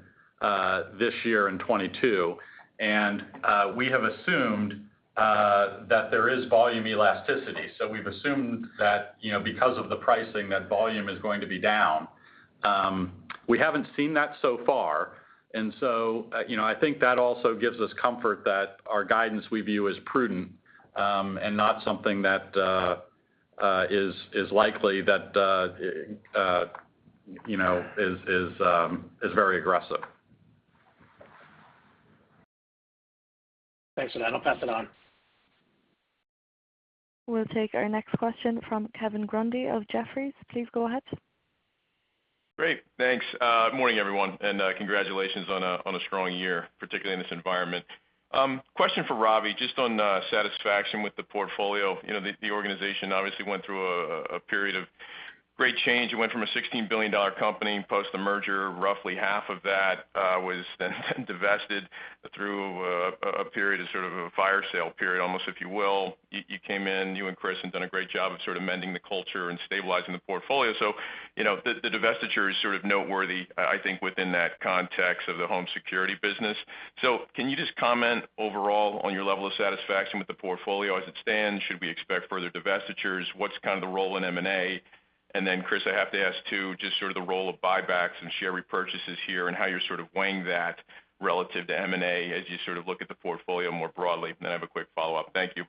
this year in 2022. We have assumed that there is volume elasticity. We've assumed that, you know, because of the pricing, that volume is going to be down. We haven't seen that so far, and so, you know, I think that also gives us comfort that our guidance we view as prudent, and not something that is likely, you know, is very aggressive. Thanks for that. I'll pass it on. We'll take our next question from Kevin Grundy of Jefferies. Please go ahead. Great. Thanks, morning, everyone, and congratulations on a strong year, particularly in this environment. Question for Ravi, just on satisfaction with the portfolio. You know, the organization obviously went through a period of great change. It went from a $16 billion company post the merger. Roughly half of that was then divested through a period of sort of a fire sale period, almost, if you will. You came in, you and Chris have done a great job of sort of mending the culture and stabilizing the portfolio. You know, the divestiture is sort of noteworthy, I think, within that context of the home security business. Can you just comment overall on your level of satisfaction with the portfolio as it stands? Should we expect further divestitures? What's kind of the role in M&A? Chris, I have to ask too, just sort of the role of buybacks and share repurchases here and how you're sort of weighing that relative to M&A as you sort of look at the portfolio more broadly. I have a quick follow-up. Thank you.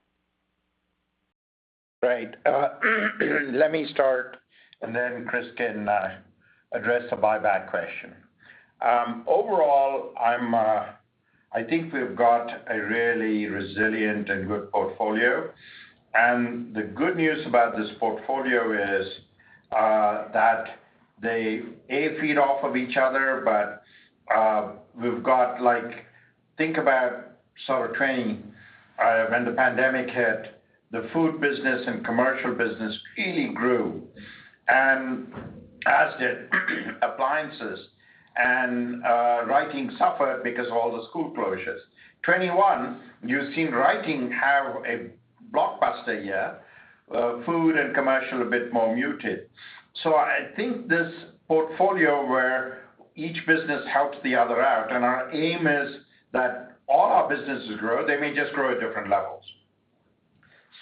Right. Let me start, and then Chris can address the buyback question. Overall, I think we've got a really resilient and good portfolio. The good news about this portfolio is that they feed off of each other, but we've got like, think about sort of 2020. When the pandemic hit, the food business and Commercial business really grew, and as did Appliances and Writing suffered because of all the school closures. 2021, you've seen Writing have a blockbuster year, Food and Commercial a bit more muted. I think this portfolio where each business helps the other out and our aim is that all our businesses grow, they may just grow at different levels.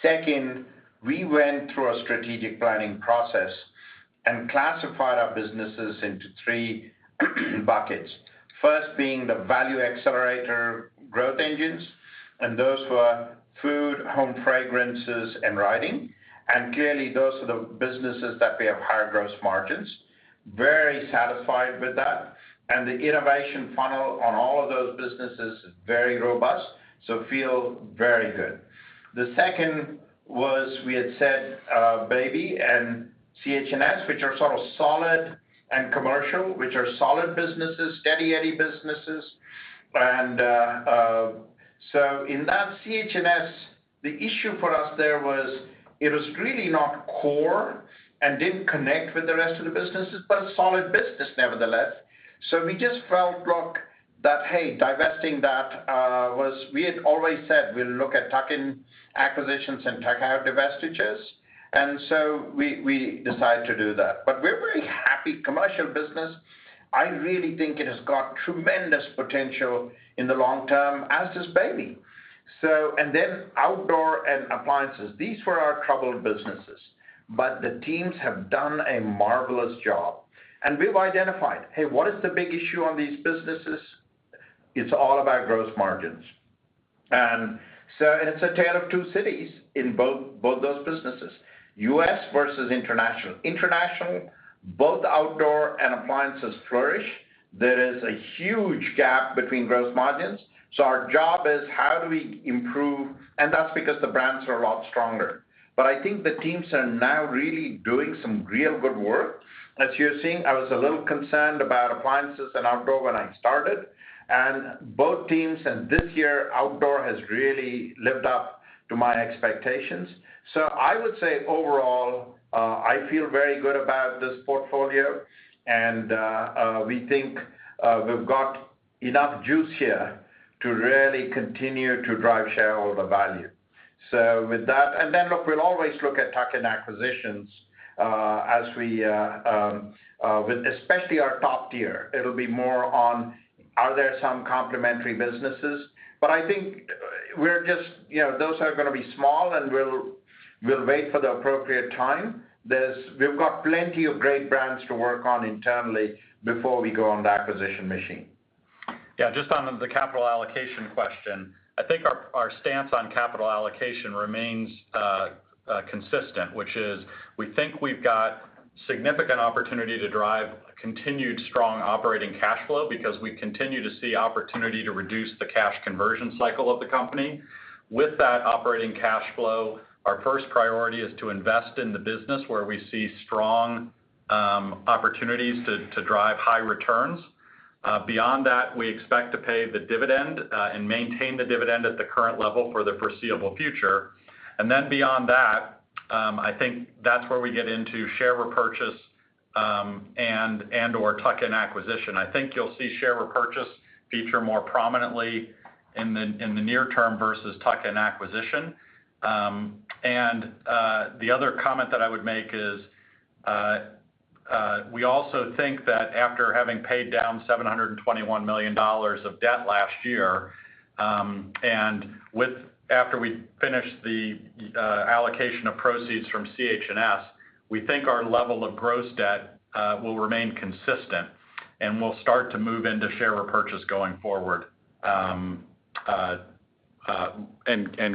Second, we went through a strategic planning process and classified our businesses into three buckets. First being the value accelerator growth engines, and those were Food, Home Fragrances, and Writing. Clearly those are the businesses that we have higher gross margins. Very satisfied with that. The innovation funnel on all of those businesses is very robust. Feel very good. The second was we had said, Baby and CH&S, which are sort of solid and commercial, which are solid businesses, steady Eddie businesses. In that CH&S, the issue for us there was it really not core and didn't connect with the rest of the businesses, but a solid business nevertheless. We just felt, look, that, hey, divesting that we had always said we'll look at tuck-in acquisitions and tuck-out divestitures. We decided to do that. We're very happy. Commercial business, I really think it has got tremendous potential in the long term, as does Baby. Outdoor and Appliances, these were our troubled businesses. The teams have done a marvelous job. We've identified, hey, what is the big issue on these businesses? It's all about gross margins. It's a tale of two cities in both those businesses, U.S. versus international. International, both Outdoor and Appliances flourish. There is a huge gap between gross margins. Our job is how do we improve, and that's because the brands are a lot stronger. I think the teams are now really doing some real good work. As you're seeing, I was a little concerned about Appliances and Outdoor when I started, and both teams, and this year, Outdoor has really lived up to my expectations. I would say overall, I feel very good about this portfolio, and we think we've got enough juice here to really continue to drive shareholder value. With that. Then look, we'll always look at tuck-in acquisitions, as we with especially our top tier. It'll be more on, are there some complementary businesses. I think we're just, you know, those are gonna be small, and we'll wait for the appropriate time. We've got plenty of great brands to work on internally before we go on the acquisition machine. Yeah, just on the capital allocation question. I think our stance on capital allocation remains consistent, which is we think we've got significant opportunity to drive continued strong operating cash flow because we continue to see opportunity to reduce the cash conversion cycle of the company. With that operating cash flow, our first priority is to invest in the business where we see strong opportunities to drive high returns. Beyond that, we expect to pay the dividend and maintain the dividend at the current level for the foreseeable future. Beyond that, I think that's where we get into share repurchase and/or tuck-in acquisition. I think you'll see share repurchase feature more prominently in the near term versus tuck-in acquisition. The other comment that I would make is, we also think that after having paid down $721 million of debt last year, after we finish the allocation of proceeds from CH&S, we think our level of gross debt will remain consistent, and we'll start to move into share repurchase going forward, and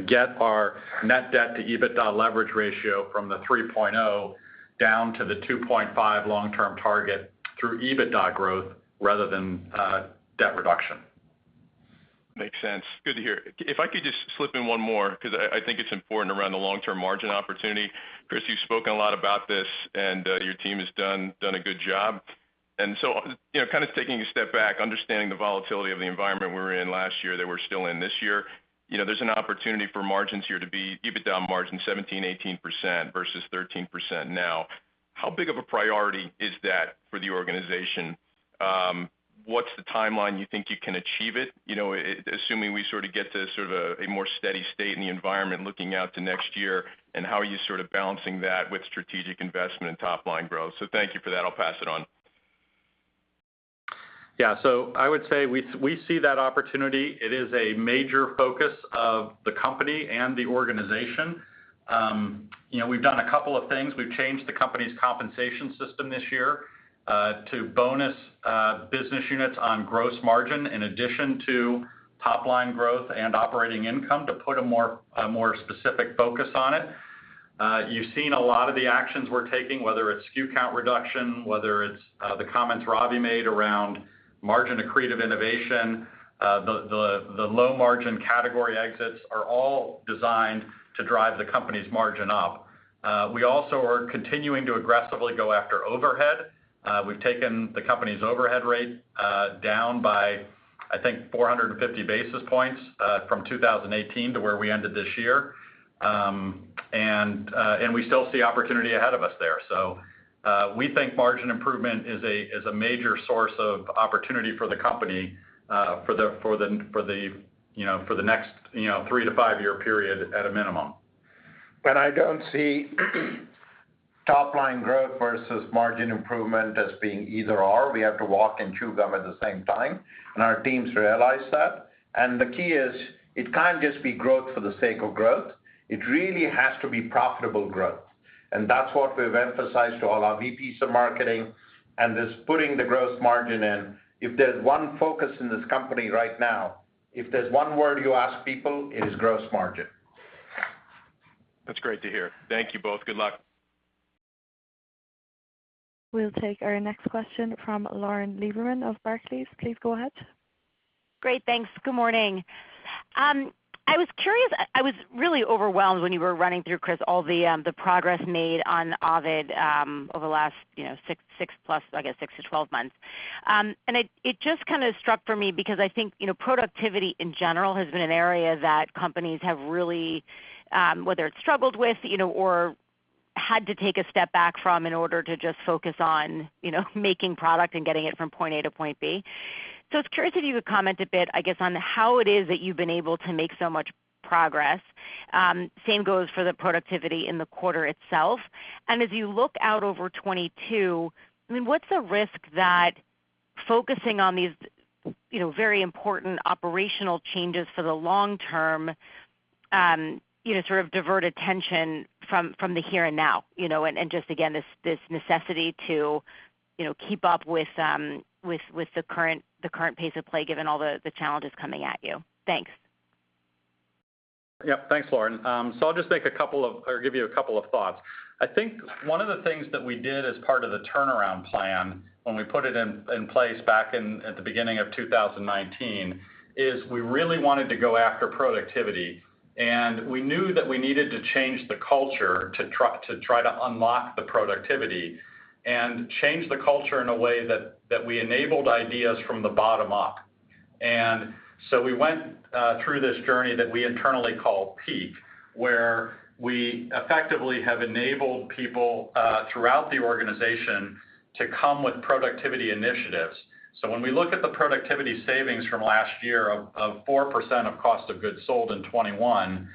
get our net debt to EBITDA leverage ratio from the 3.0 down to the 2.5 long-term target through EBITDA growth rather than debt reduction. Makes sense. Good to hear. If I could just slip in one more because I think it's important around the long-term margin opportunity. Chris, you've spoken a lot about this, and your team has done a good job. You know, kind of taking a step back, understanding the volatility of the environment we were in last year that we're still in this year, you know, there's an opportunity for margins here to be EBITDA margin 17%-18% versus 13% now. How big of a priority is that for the organization? What's the timeline you think you can achieve it? You know, assuming we sort of get to sort of a more steady state in the environment looking out to next year, and how are you sort of balancing that with strategic investment and top-line growth? Thank you for that. I'll pass it on. Yeah. I would say we see that opportunity. It is a major focus of the company and the organization. You know, we've done a couple of things. We've changed the company's compensation system this year to bonus business units on gross margin in addition to top-line growth and operating income to put a more specific focus on it. You've seen a lot of the actions we're taking, whether it's SKU count reduction, whether it's the comments Ravi made around margin accretive innovation, the low-margin category exits are all designed to drive the company's margin up. We also are continuing to aggressively go after overhead. We've taken the company's overhead rate down by, I think, 450 basis points from 2018 to where we ended this year. We still see opportunity ahead of us there. We think margin improvement is a major source of opportunity for the company, for the next, you know, 3-5-year period at a minimum. I don't see top-line growth versus margin improvement as being either/or. We have to walk and chew gum at the same time, and our teams realize that. The key is it can't just be growth for the sake of growth. It really has to be profitable growth, and that's what we've emphasized to all our VPs of marketing and this putting the gross margin in. If there's one focus in this company right now, if there's one word you ask people, it is gross margin. That's great to hear. Thank you both. Good luck. We'll take our next question from Lauren Lieberman of Barclays. Please go ahead. Great. Thanks. Good morning. I was curious. I was really overwhelmed when you were running through, Chris, all the progress made on Ovid over the last, you know, I guess, six to 12 months. It just kind of struck me because I think, you know, productivity in general has been an area that companies have really struggled with, you know, or had to take a step back from in order to just focus on, you know, making product and getting it from point A to point B. I was curious if you could comment a bit, I guess, on how it is that you've been able to make so much progress. Same goes for the productivity in the quarter itself. As you look out over 2022, I mean, what's the risk that focusing on these, you know, very important operational changes for the long term, you know, sort of divert attention from the here and now, you know. Just again, this necessity to, you know, keep up with the current pace of play given all the challenges coming at you. Thanks. Yeah. Thanks, Lauren. So I'll just give you a couple of thoughts. I think one of the things that we did as part of the turnaround plan when we put it in place back at the beginning of 2019 is we really wanted to go after productivity. We knew that we needed to change the culture to unlock the productivity and change the culture in a way that we enabled ideas from the bottom up. We went through this journey that we internally call PEAK, where we effectively have enabled people throughout the organization to come with productivity initiatives. When we look at the productivity savings from last year of 4% of cost of goods sold in 2021,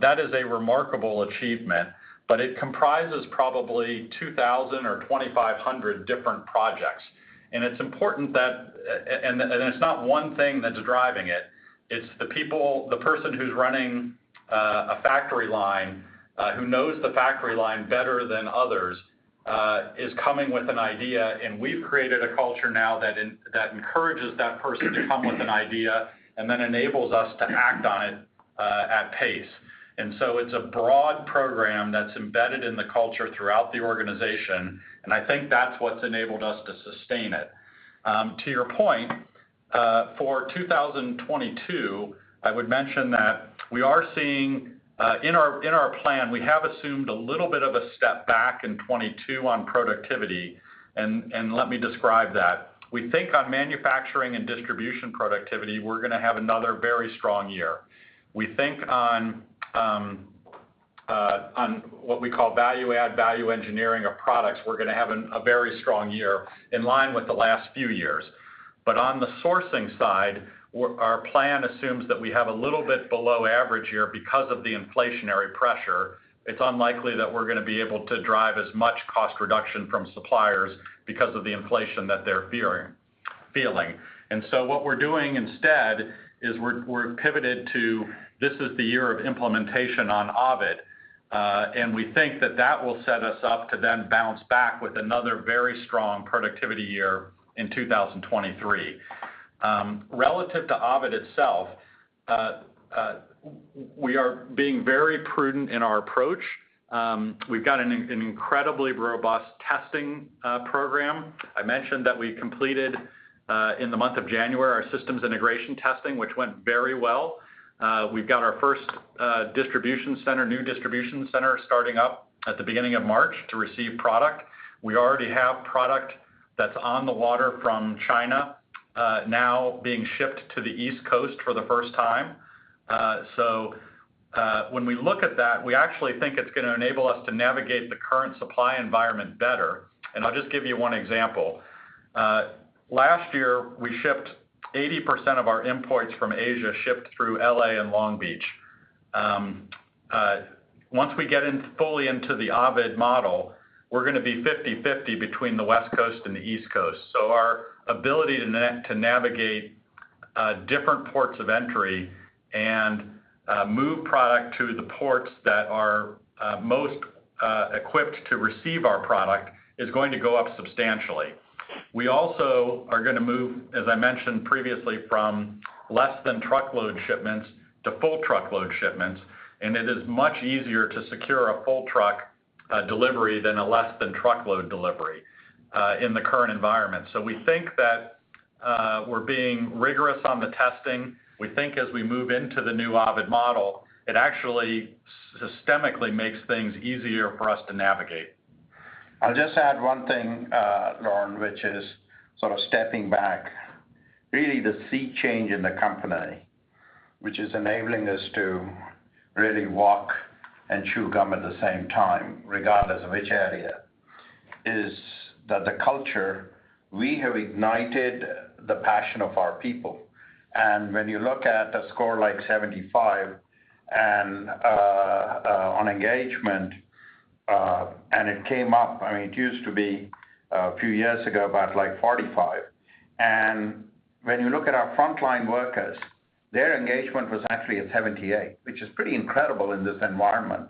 that is a remarkable achievement, but it comprises probably 2,000 or 2,500 different projects. It's important that it's not one thing that's driving it. It's the people, the person who's running a factory line who knows the factory line better than others is coming with an idea, and we've created a culture now that encourages that person to come with an idea and then enables us to act on it at pace. It's a broad program that's embedded in the culture throughout the organization, and I think that's what's enabled us to sustain it. To your point, for 2022, I would mention that we are seeing in our plan, we have assumed a little bit of a step back in 2022 on productivity, and let me describe that. We think on manufacturing and distribution productivity, we're gonna have another very strong year. We think on what we call value add, value engineering of products, we're gonna have a very strong year in line with the last few years. But on the sourcing side, our plan assumes that we have a little bit below average year because of the inflationary pressure. It's unlikely that we're gonna be able to drive as much cost reduction from suppliers because of the inflation that they're feeling. What we're doing instead is we're pivoted to this is the year of implementation on Ovid, and we think that that will set us up to then bounce back with another very strong productivity year in 2023. Relative to Ovid itself, we are being very prudent in our approach. We've got an incredibly robust testing program. I mentioned that we completed in the month of January our systems integration testing, which went very well. We've got our first distribution center, new distribution center starting up at the beginning of March to receive product. We already have product that's on the water from China now being shipped to the East Coast for the first time. When we look at that, we actually think it's gonna enable us to navigate the current supply environment better. I'll just give you one example. Last year, we shipped 80% of our imports from Asia, shipped through L.A. and Long Beach. Once we get fully into the Ovid model, we're gonna be 50/50 between the West Coast and the East Coast. Our ability to navigate different ports of entry and move product to the ports that are most equipped to receive our product is going to go up substantially. We also are gonna move, as I mentioned previously, from less than truckload shipments to full truckload shipments, and it is much easier to secure a full truck delivery than a less than truckload delivery in the current environment. We think that we're being rigorous on the testing. We think as we move into the new Ovid model, it actually systemically makes things easier for us to navigate. I'll just add one thing, Lauren, which is sort of stepping back, really the sea change in the company, which is enabling us to really walk and chew gum at the same time, regardless of which area, is that the culture, we have ignited the passion of our people. When you look at a score like 75 on engagement, and it came up, I mean, it used to be a few years ago about like 45. When you look at our frontline workers, their engagement was actually at 78, which is pretty incredible in this environment.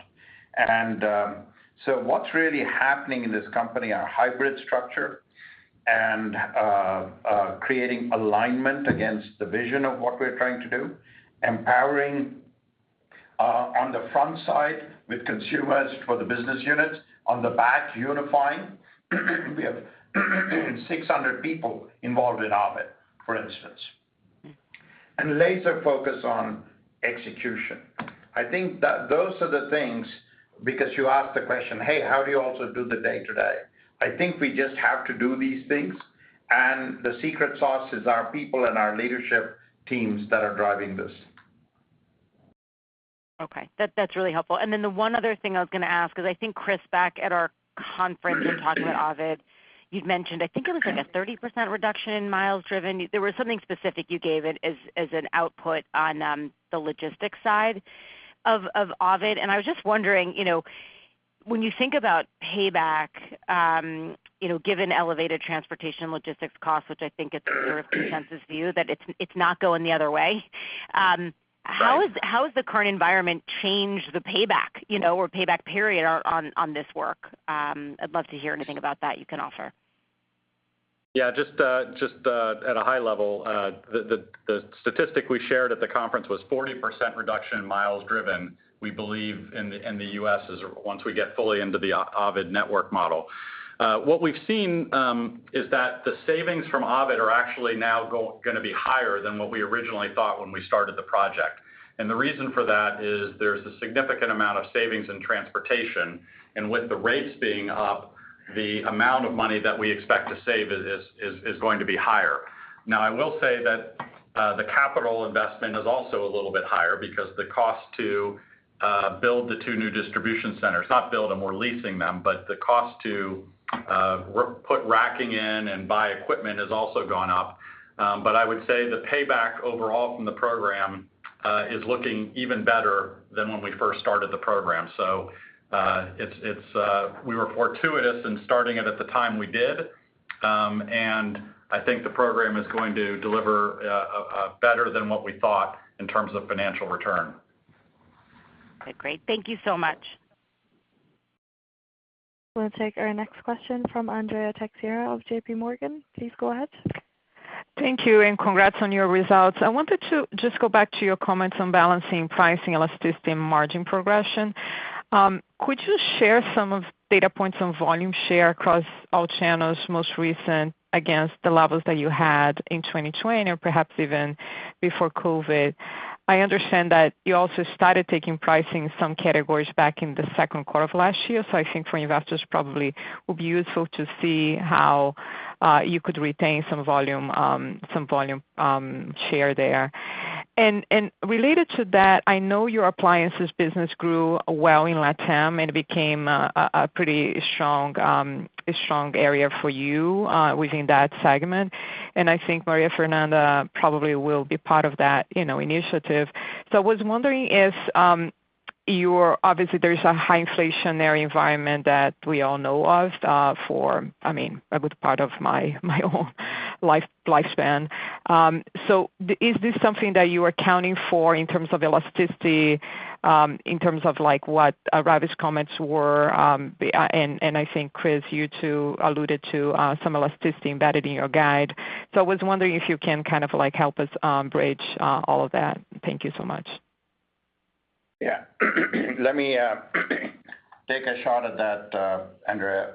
What's really happening in this company, our hybrid structure and creating alignment against the vision of what we're trying to do, empowering on the front side with consumers for the business units. On the back, unifying, we have 600 people involved in Ovid, for instance. Laser focus on execution. I think that those are the things because you asked the question, "Hey, how do you also do the day-to-day?" I think we just have to do these things, and the secret sauce is our people and our leadership teams that are driving this. Okay, that's really helpful. The one other thing I was gonna ask, 'cause I think Chris, back at our conference when talking about Ovid, you'd mentioned, I think it was like a 30% reduction in miles driven. There was something specific you gave it as an output on the logistics side of Ovid. I was just wondering, you know, when you think about payback, you know, given elevated transportation logistics costs, which I think it's a sort of consensus view that it's not going the other way. How is the current environment change the payback, you know, or payback period on this work? I'd love to hear anything about that you can offer. Yeah. Just at a high level, the statistic we shared at the conference was 40% reduction in miles driven, we believe in the U.S. once we get fully into the Ovid network model. What we've seen is that the savings from Ovid are actually now gonna be higher than what we originally thought when we started the project. The reason for that is there's a significant amount of savings in transportation. With the rates being up, the amount of money that we expect to save is going to be higher. Now, I will say that the capital investment is also a little bit higher because the cost to build the two new distribution centers, not build them, we're leasing them, but the cost to put racking in and buy equipment has also gone up. I would say the payback overall from the program is looking even better than when we first started the program. We were fortuitous in starting it at the time we did. I think the program is going to deliver better than what we thought in terms of financial return. Okay, great. Thank you so much. We'll take our next question from Andrea Teixeira of JPMorgan. Please go ahead. Thank you and congrats on your results. I wanted to just go back to your comments on balancing pricing elasticity and margin progression. Could you share some data points on volume share across all channels most recent against the levels that you had in 2020 or perhaps even before COVID? I understand that you also started taking pricing some categories back in the second quarter of last year. I think for investors probably will be useful to see how you could retain some volume share there. Related to that, I know your Appliances business grew well in LatAm and became a pretty strong area for you within that segment. I think Maria Fernanda probably will be part of that, you know, initiative. I was wondering if obviously there is a high inflationary environment that we all know of, for I mean a good part of my own life-lifespan. Is this something that you are accounting for in terms of elasticity, in terms of like what Ravi's comments were? And I think, Chris, you too alluded to some elasticity embedded in your guide. I was wondering if you can kind of like help us bridge all of that. Thank you so much. Yeah. Let me take a shot at that, Andrea.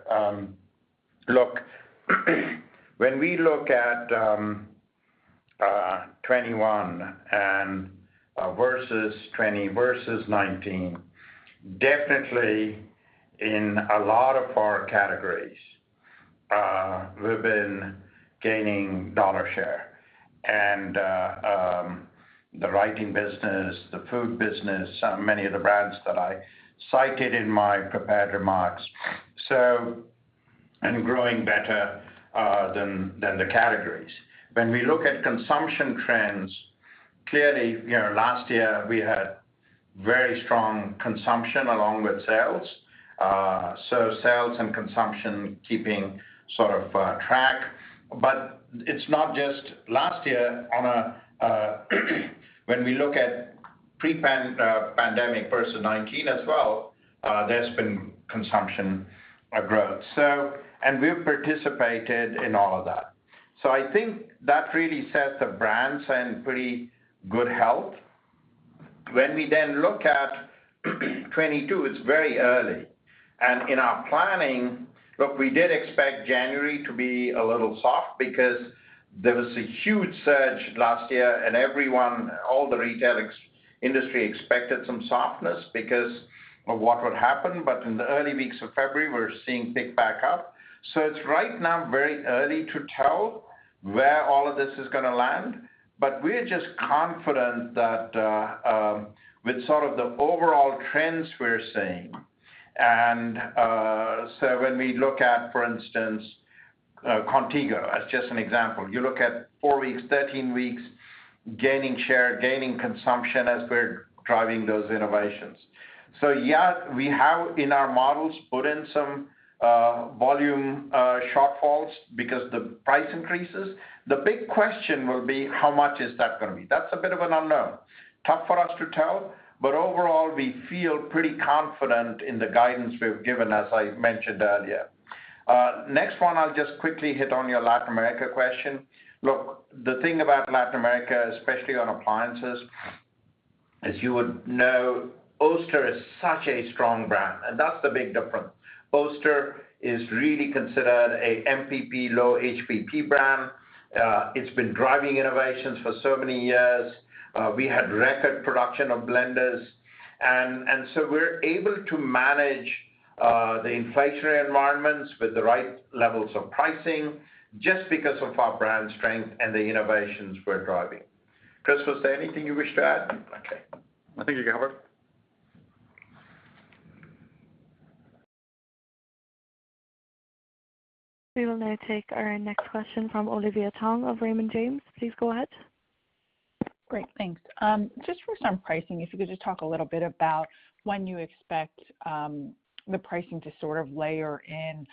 Look, when we look at 2021 and versus 2020 versus 2019, definitely in a lot of our categories, we've been gaining dollar share. And the Writing business, the Food business, many of the brands that I cited in my prepared remarks and growing better than the categories. When we look at consumption trends, clearly, you know, last year we had very strong consumption along with sales, so sales and consumption keeping sort of track. It's not just last year when we look at pre-pandemic versus 2019 as well, there's been consumption growth. And we've participated in all of that. I think that really sets the brands in pretty good health. When we then look at 2022, it's very early. In our planning, look, we did expect January to be a little soft because there was a huge surge last year and everyone, all the retail ex-industry expected some softness because of what would happen. In the early weeks of February, we're seeing pick back up. It's right now very early to tell where all of this is gonna land. We're just confident that with sort of the overall trends we're seeing when we look at, for instance, Contigo as just an example, you look at four weeks, 13 weeks, gaining share, gaining consumption as we're driving those innovations. Yes, we have in our models put in some volume shortfalls because the price increases. The big question will be how much is that gonna be? That's a bit of an unknown. Tough for us to tell, but overall, we feel pretty confident in the guidance we've given, as I mentioned earlier. Next one, I'll just quickly hit on your Latin America question. Look, the thing about Latin America, especially on appliances, as you would know, Oster is such a strong brand, and that's the big difference. Oster is really considered a MPP, low HPP brand. It's been driving innovations for so many years. We had record production of blenders, and so we're able to manage the inflationary environments with the right levels of pricing just because of our brand strength and the innovations we're driving. Chris, was there anything you wish to add? Okay. I think you're covered. We will now take our next question from Olivia Tong of Raymond James. Please go ahead. Great. Thanks. Just for some pricing, if you could just talk a little bit about when you expect the pricing to sort of layer in,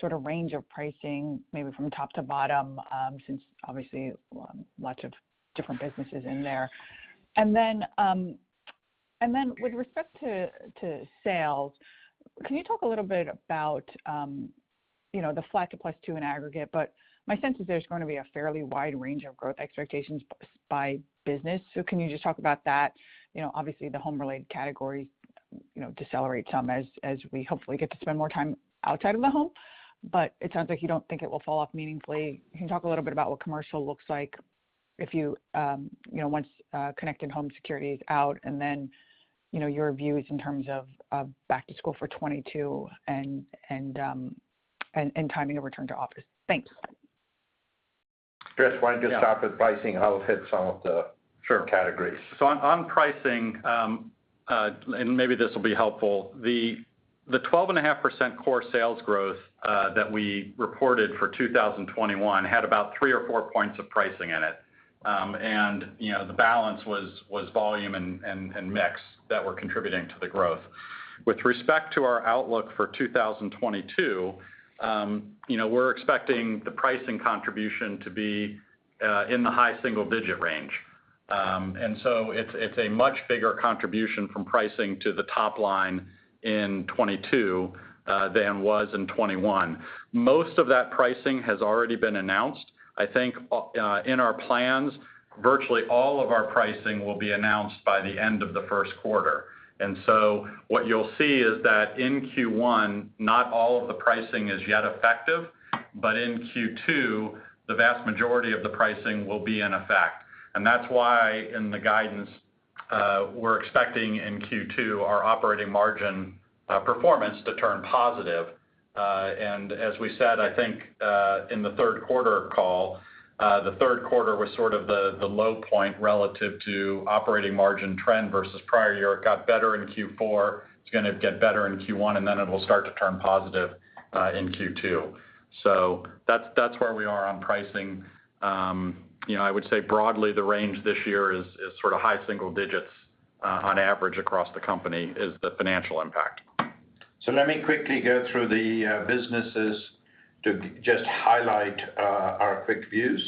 sort of range of pricing maybe from top to bottom, since obviously lots of different businesses in there. Then, with respect to sales, can you talk a little bit about you know, the flat to +2% in aggregate. My sense is there's gonna be a fairly wide range of growth expectations by business. Can you just talk about that? You know, obviously the home-related category, you know, decelerate some as we hopefully get to spend more time outside of the home. It sounds like you don't think it will fall off meaningfully. Can you talk a little bit about what Commercial looks like if you know, once Connected Home & Security is out, and then, you know, your views in terms of back to school for 2022 and timing of return to office? Thanks. Chris, why don't you start with pricing? I'll hit some of the. Sure categories. On pricing, maybe this will be helpful. The 12.5% core sales growth that we reported for 2021 had about three or four points of pricing in it. You know, the balance was volume and mix that were contributing to the growth. With respect to our outlook for 2022, you know, we're expecting the pricing contribution to be in the high single-digit range. It's a much bigger contribution from pricing to the top line in 2022 than was in 2021. Most of that pricing has already been announced. I think, in our plans, virtually all of our pricing will be announced by the end of the first quarter. What you'll see is that in Q1, not all of the pricing is yet effective, but in Q2, the vast majority of the pricing will be in effect. That's why in the guidance, we're expecting in Q2 our operating margin performance to turn positive. As we said, I think, in the third quarter call, the third quarter was sort of the low point relative to operating margin trend versus prior year. It got better in Q4. It's gonna get better in Q1, and then it will start to turn positive in Q2. That's where we are on pricing. You know, I would say broadly, the range this year is sort of high single digits on average across the company is the financial impact. Let me quickly go through the businesses to just highlight our quick views.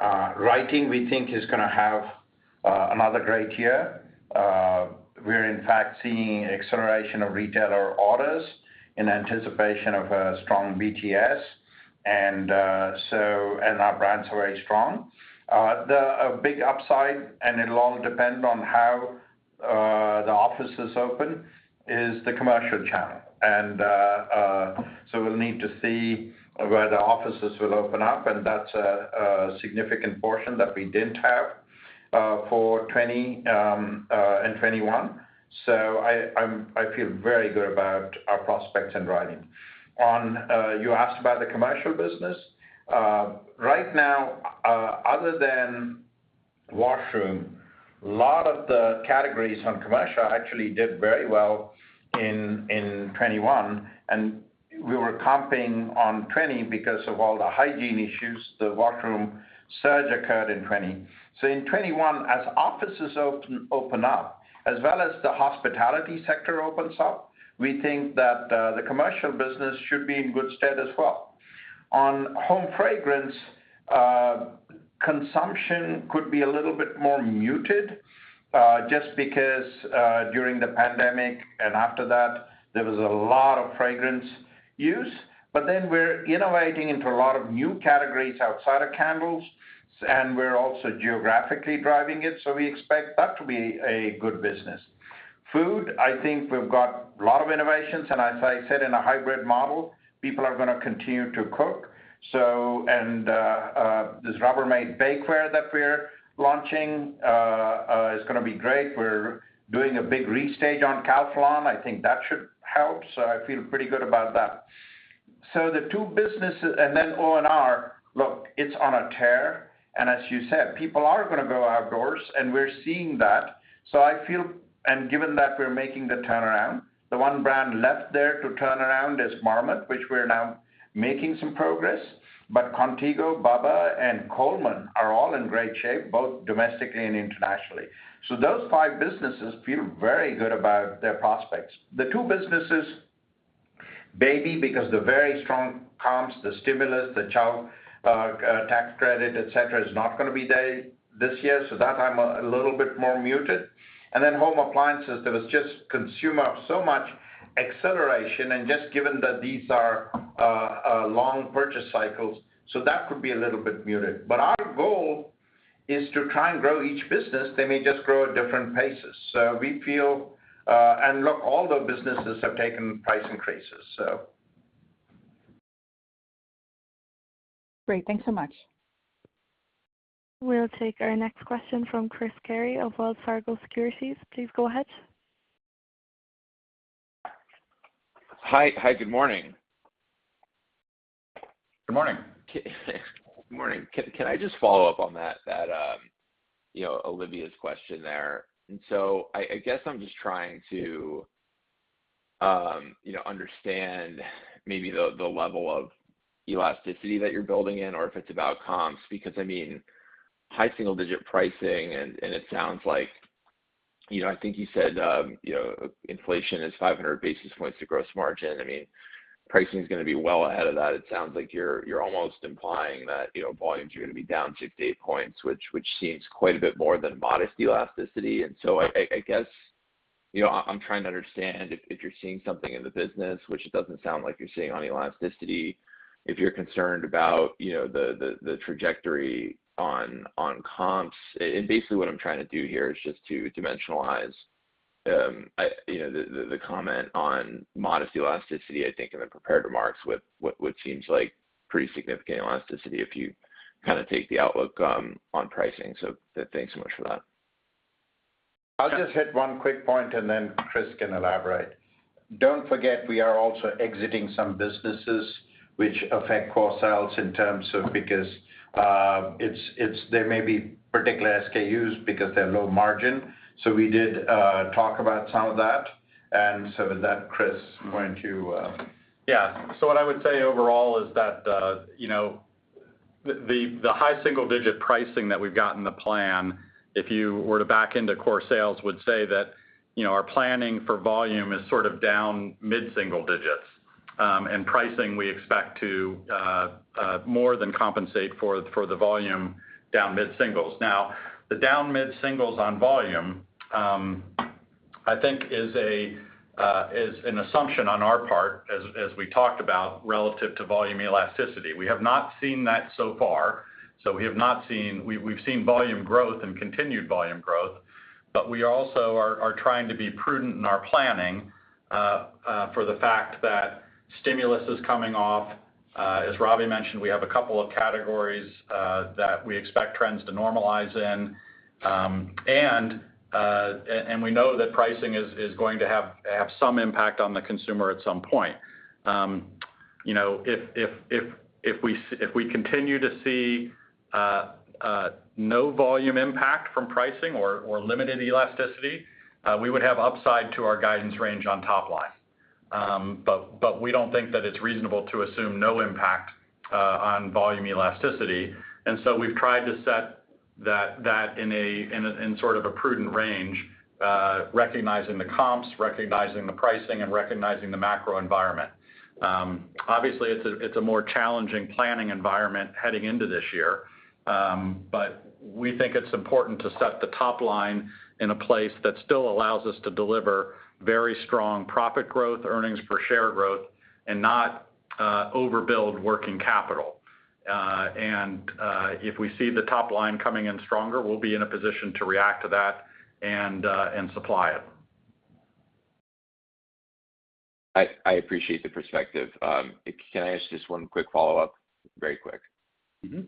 Writing, we think is gonna have another great year. We're in fact seeing acceleration of retailer orders in anticipation of a strong BTS. Our brand's very strong. The big upside, and it'll all depend on how the offices open, is the Commercial channel. We'll need to see whether offices will open up, and that's a significant portion that we didn't have for 2020 and 2021. I feel very good about our prospects in Writing. You asked about the Commercial business. Right now, other than washroom, a lot of the categories on Commercial actually did very well in 2021, and we were comping on 2020 because of all the hygiene issues. The washroom surge occurred in 2020. In 2021, as offices open up, as well as the hospitality sector opens up, we think that the Commercial business should be in good stead as well. On Home Fragrance, consumption could be a little bit more muted just because during the pandemic and after that, there was a lot of fragrance use. We're innovating into a lot of new categories outside of candles, and we're also geographically driving it. We expect that to be a good business. Food, I think we've got a lot of innovations, and as I said, in a hybrid model, people are gonna continue to cook. This Rubbermaid Bakeware that we're launching is gonna be great. We're doing a big restage on Calphalon. I think that should help. I feel pretty good about that. The two businesses and then O&R, look, it's on a tear. As you said, people are gonna go outdoors, and we're seeing that. I feel and given that we're making the turnaround, the one brand left there to turn around is Marmot, which we're now making some progress. Contigo, Bubba, and Coleman are all in great shape, both domestically and internationally. Those five businesses feel very good about their prospects. The two businesses, Baby, because the very strong comps, the stimulus, the child tax credit, et cetera, is not gonna be there this year, that I'm a little bit more muted. Home Appliances, there was just so much consumer acceleration, and just given that these are long purchase cycles, so that could be a little bit muted. Our goal is to try and grow each business. They may just grow at different paces. We feel, and look, all the businesses have taken price increases. Great. Thanks so much. We'll take our next question from Chris Carey of Wells Fargo Securities. Please go ahead. Hi. Hi, good morning. Good morning. Good morning. Can I just follow up on that, you know, Olivia's question there? I guess I'm just trying to, you know, understand maybe the level of elasticity that you're building in or if it's about comps because I mean, high single digit pricing and it sounds like, you know, I think you said, you know, inflation is 500 basis points to gross margin. I mean, pricing's gonna be well ahead of that. It sounds like you're almost implying that, you know, volumes are gonna be down 50-80 points, which seems quite a bit more than modest elasticity. I guess, you know, I'm trying to understand if you're seeing something in the business, which it doesn't sound like you're seeing on elasticity, if you're concerned about, you know, the trajectory on comps. Basically what I'm trying to do here is just to dimensionalize. You know, the comment on modest elasticity I think in the prepared remarks with what seems like pretty significant elasticity if you kinda take the outlook on pricing. Thanks so much for that. I'll just hit one quick point, and then Chris can elaborate. Don't forget, we are also exiting some businesses which affect core sales because they may be particular SKUs because they're low margin. We did talk about some of that. With that, Chris, why don't you Yeah. What I would say overall is that, you know, the high single digit pricing that we've got in the plan, if you were to back into core sales, would say that, you know, our planning for volume is sort of down mid-single digits. Pricing we expect to more than compensate for the volume down mid-singles. The down mid-singles on volume, I think is an assumption on our part as we talked about relative to volume elasticity. We have not seen that so far. We've seen volume growth and continued volume growth, but we also are trying to be prudent in our planning for the fact that stimulus is coming off. As Ravi mentioned, we have a couple of categories that we expect trends to normalize in. We know that pricing is going to have some impact on the consumer at some point. You know, if we continue to see no volume impact from pricing or limited elasticity, we would have upside to our guidance range on top line. We don't think that it's reasonable to assume no impact on volume elasticity, so we've tried to set that in sort of a prudent range, recognizing the comps, recognizing the pricing, and recognizing the macro environment. Obviously it's a more challenging planning environment heading into this year, but we think it's important to set the top line in a place that still allows us to deliver very strong profit growth, earnings per share growth, and not overbuild working capital. If we see the top line coming in stronger, we'll be in a position to react to that and supply it. I appreciate the perspective. Can I ask just one quick follow-up? Very quick. Mm-hmm.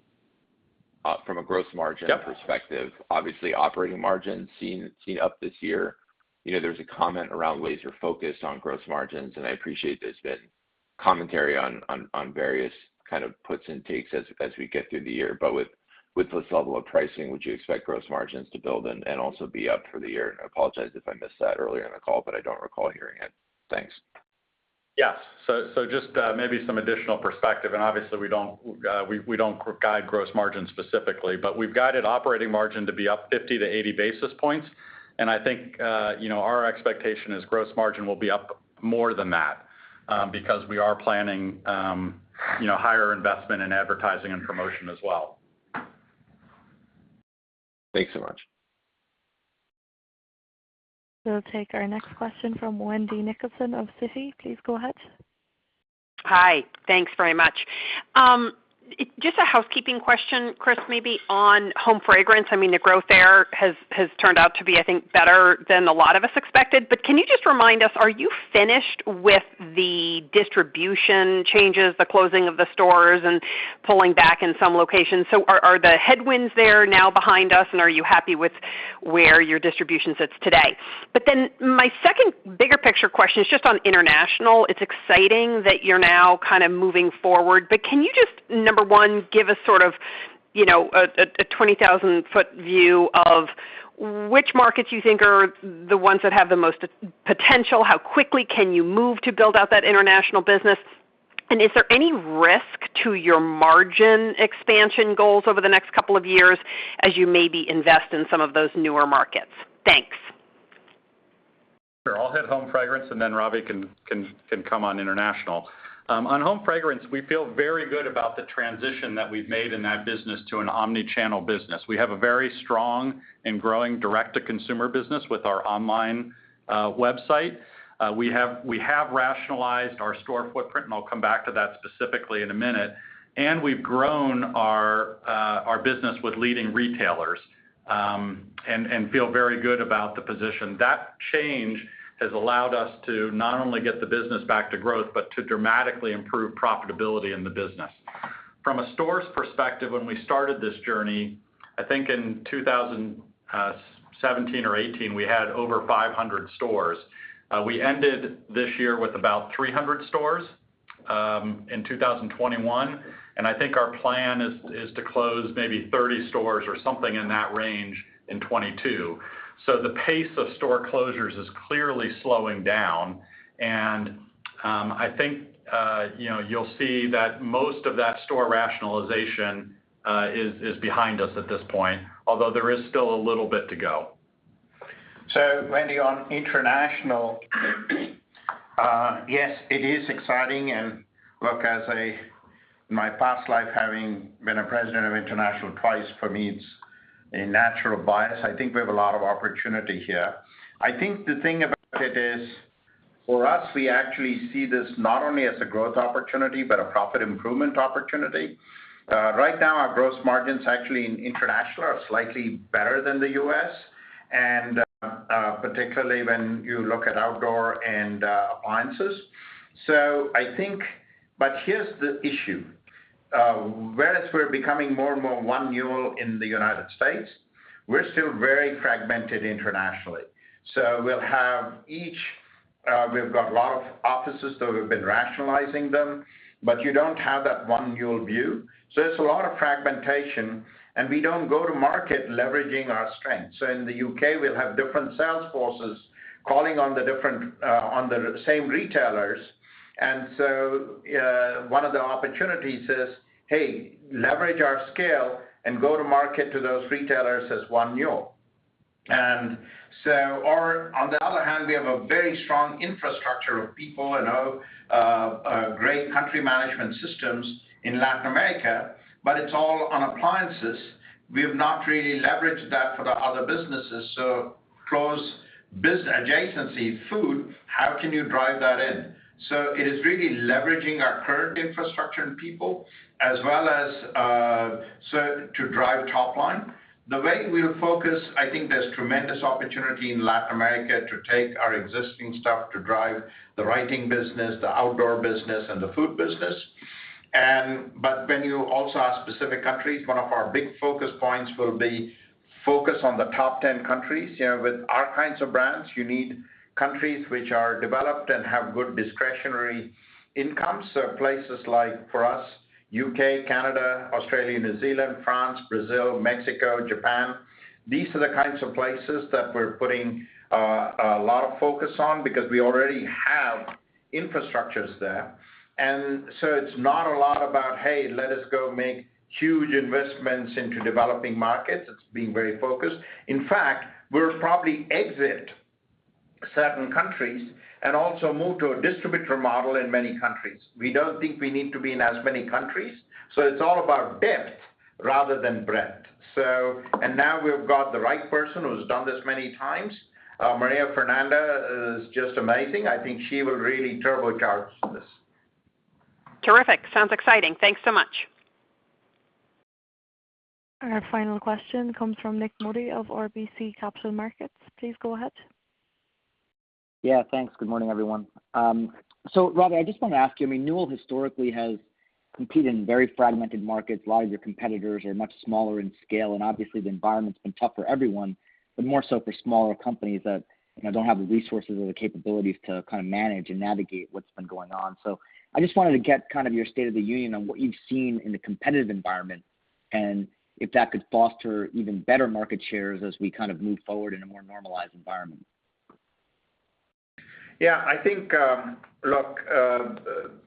From a gross margin. Yeah. Perspective, obviously operating margin seen up this year. You know, there's a comment around laser focus on gross margins, and I appreciate there's been commentary on various kind of puts and takes as we get through the year. With this level of pricing, would you expect gross margins to build and also be up for the year? I apologize if I missed that earlier in the call, but I don't recall hearing it. Thanks. Yes. Just maybe some additional perspective, and obviously we don't guide gross margin specifically, but we've guided operating margin to be up 50-80 basis points. I think, you know, our expectation is gross margin will be up more than that, because we are planning, you know, higher investment in advertising and promotion as well. Thanks so much. We'll take our next question from Wendy Nicholson of Citi. Please go ahead. Hi. Thanks very much. Just a housekeeping question, Chris, maybe on home fragrance. I mean, the growth there has turned out to be, I think, better than a lot of us expected. Can you just remind us, are you finished with the distribution changes, the closing of the stores, and pulling back in some locations? Are the headwinds there now behind us, and are you happy with where your distribution sits today? My second bigger picture question is just on international. It's exciting that you're now kind of moving forward, but can you just, number one, give a sort of, you know, a 20,000 foot view of which markets you think are the ones that have the most potential? How quickly can you move to build out that international business? Is there any risk to your margin expansion goals over the next couple of years as you maybe invest in some of those newer markets? Thanks. Sure. I'll hit Home Fragrance, and then Ravi can come on international. On Home Fragrance, we feel very good about the transition that we've made in that business to an omni-channel business. We have a very strong and growing direct-to-consumer business with our online website. We have rationalized our store footprint, and I'll come back to that specifically in a minute, and we've grown our business with leading retailers and feel very good about the position. That change has allowed us to not only get the business back to growth, but to dramatically improve profitability in the business. From a stores perspective, when we started this journey, I think in 2017 or 2018, we had over 500 stores. We ended this year with about 300 stores in 2021, and I think our plan is to close maybe 30 stores or something in that range in 2022. The pace of store closures is clearly slowing down and I think you know, you'll see that most of that store rationalization is behind us at this point, although there is still a little bit to go. Wendy, on international, yes, it is exciting. In my past life having been a president of international twice, for me it's a natural bias. I think we have a lot of opportunity here. I think the thing about it is for us, we actually see this not only as a growth opportunity, but a profit improvement opportunity. Right now, our gross margins actually in international are slightly better than the U.S. and, particularly when you look at Outdoor and Appliances. But here's the issue. Whereas we're becoming more and more One Newell in the United States, we're still very fragmented internationally. We've got a lot of offices, though we've been rationalizing them, but you don't have that One Newell view. There's a lot of fragmentation, and we don't go to market leveraging our strengths. In the U.K., we'll have different sales forces calling on the same retailers. One of the opportunities is, hey, leverage our scale and go to market to those retailers as One Newell. Or on the other hand, we have a very strong infrastructure of people and a great country management systems in Latin America, but it's all on Appliances. We have not really leveraged that for the other businesses. Close business adjacency food, how can you drive that in? It is really leveraging our current infrastructure and people as well as to drive top line. The way we'll focus, I think there's tremendous opportunity in Latin America to take our existing stuff to drive the writing business, the Outdoor business and the food business. When you also ask specific countries, one of our big focus points will be to focus on the top ten countries. You know, with our kinds of brands, you need countries which are developed and have good discretionary income. Places like for us, U.K., Canada, Australia, New Zealand, France, Brazil, Mexico, Japan, these are the kinds of places that we're putting a lot of focus on because we already have infrastructures there. It's not a lot about, hey, let us go make huge investments into developing markets. It's being very focused. In fact, we'll probably exit certain countries and also move to a distributor model in many countries. We don't think we need to be in as many countries, so it's all about depth rather than breadth. Now we've got the right person who's done this many times. Maria Fernanda is just amazing. I think she will really turbocharge this. Terrific. Sounds exciting. Thanks so much. Our final question comes from Nik Modi of RBC Capital Markets. Please go ahead. Yeah, thanks. Good morning, everyone. Ravi, I just wanna ask you, I mean, Newell historically has competed in very fragmented markets. A lot of your competitors are much smaller in scale, and obviously the environment's been tough for everyone, but more so for smaller companies that, you know, don't have the resources or the capabilities to kind of manage and navigate what's been going on. I just wanted to get kind of your state of the union on what you've seen in the competitive environment and if that could foster even better market shares as we kind of move forward in a more normalized environment. I think, look,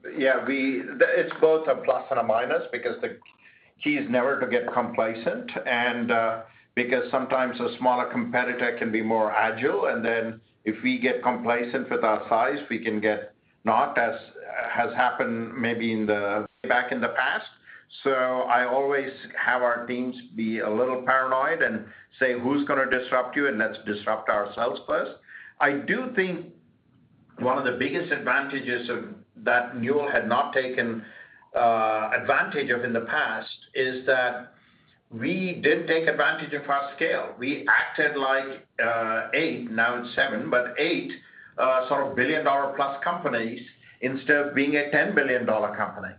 it's both a plus and a minus because the key is never to get complacent and because sometimes a smaller competitor can be more agile and then if we get complacent with our size, we can get not as has happened maybe in the back in the past. I always have our teams be a little paranoid and say, "Who's gonna disrupt you?" Let's disrupt ourselves first. I do think one of the biggest advantages that Newell had not taken advantage of in the past is that we didn't take advantage of our scale. We acted like eight, now it's seven, but eight sort of billion-dollar plus companies instead of being a 10 billion dollar company.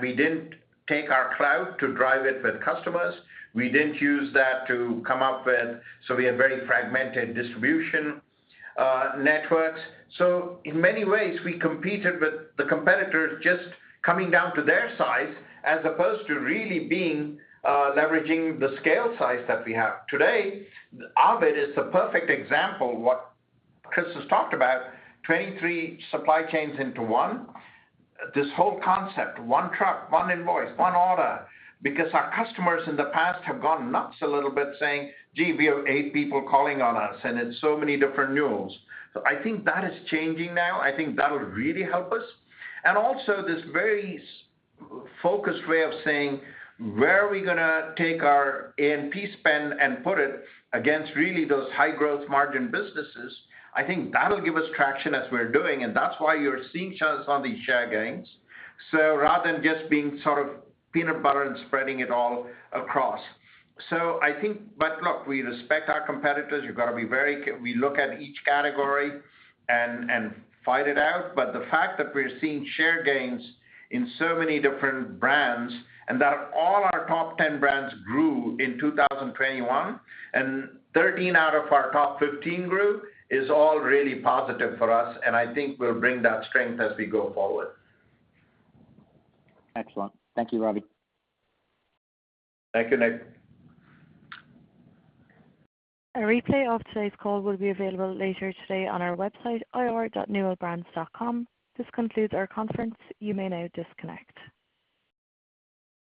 We didn't take our clout to drive it with customers. We didn't use that to come up with. We had very fragmented distribution networks. In many ways, we competed with the competitors just coming down to their size as opposed to really being leveraging the scale size that we have today. Ovid is the perfect example of what Chris has talked about, 23 supply chains into one. This whole concept, one truck, one invoice, one order, because our customers in the past have gone nuts a little bit saying, "Gee, we have eight people calling on us, and it's so many different Newells." I think that is changing now. I think that'll really help us. Also this very sales-focused way of saying, where are we gonna take our A&P spend and put it against really those high growth margin businesses? I think that'll give us traction as we're doing, and that's why you're seeing us on these share gains. Rather than just being sort of peanut butter and spreading it all across. Look, we respect our competitors. We look at each category and fight it out. The fact that we're seeing share gains in so many different brands and that all our top 10 brands grew in 2021 and 13 out of our top 15 grew is all really positive for us, and I think we'll bring that strength as we go forward. Excellent. Thank you, Ravi. Thank you, Nik. A replay of today's call will be available later today on our website, ir.newellbrands.com. This concludes our conference. You may now disconnect.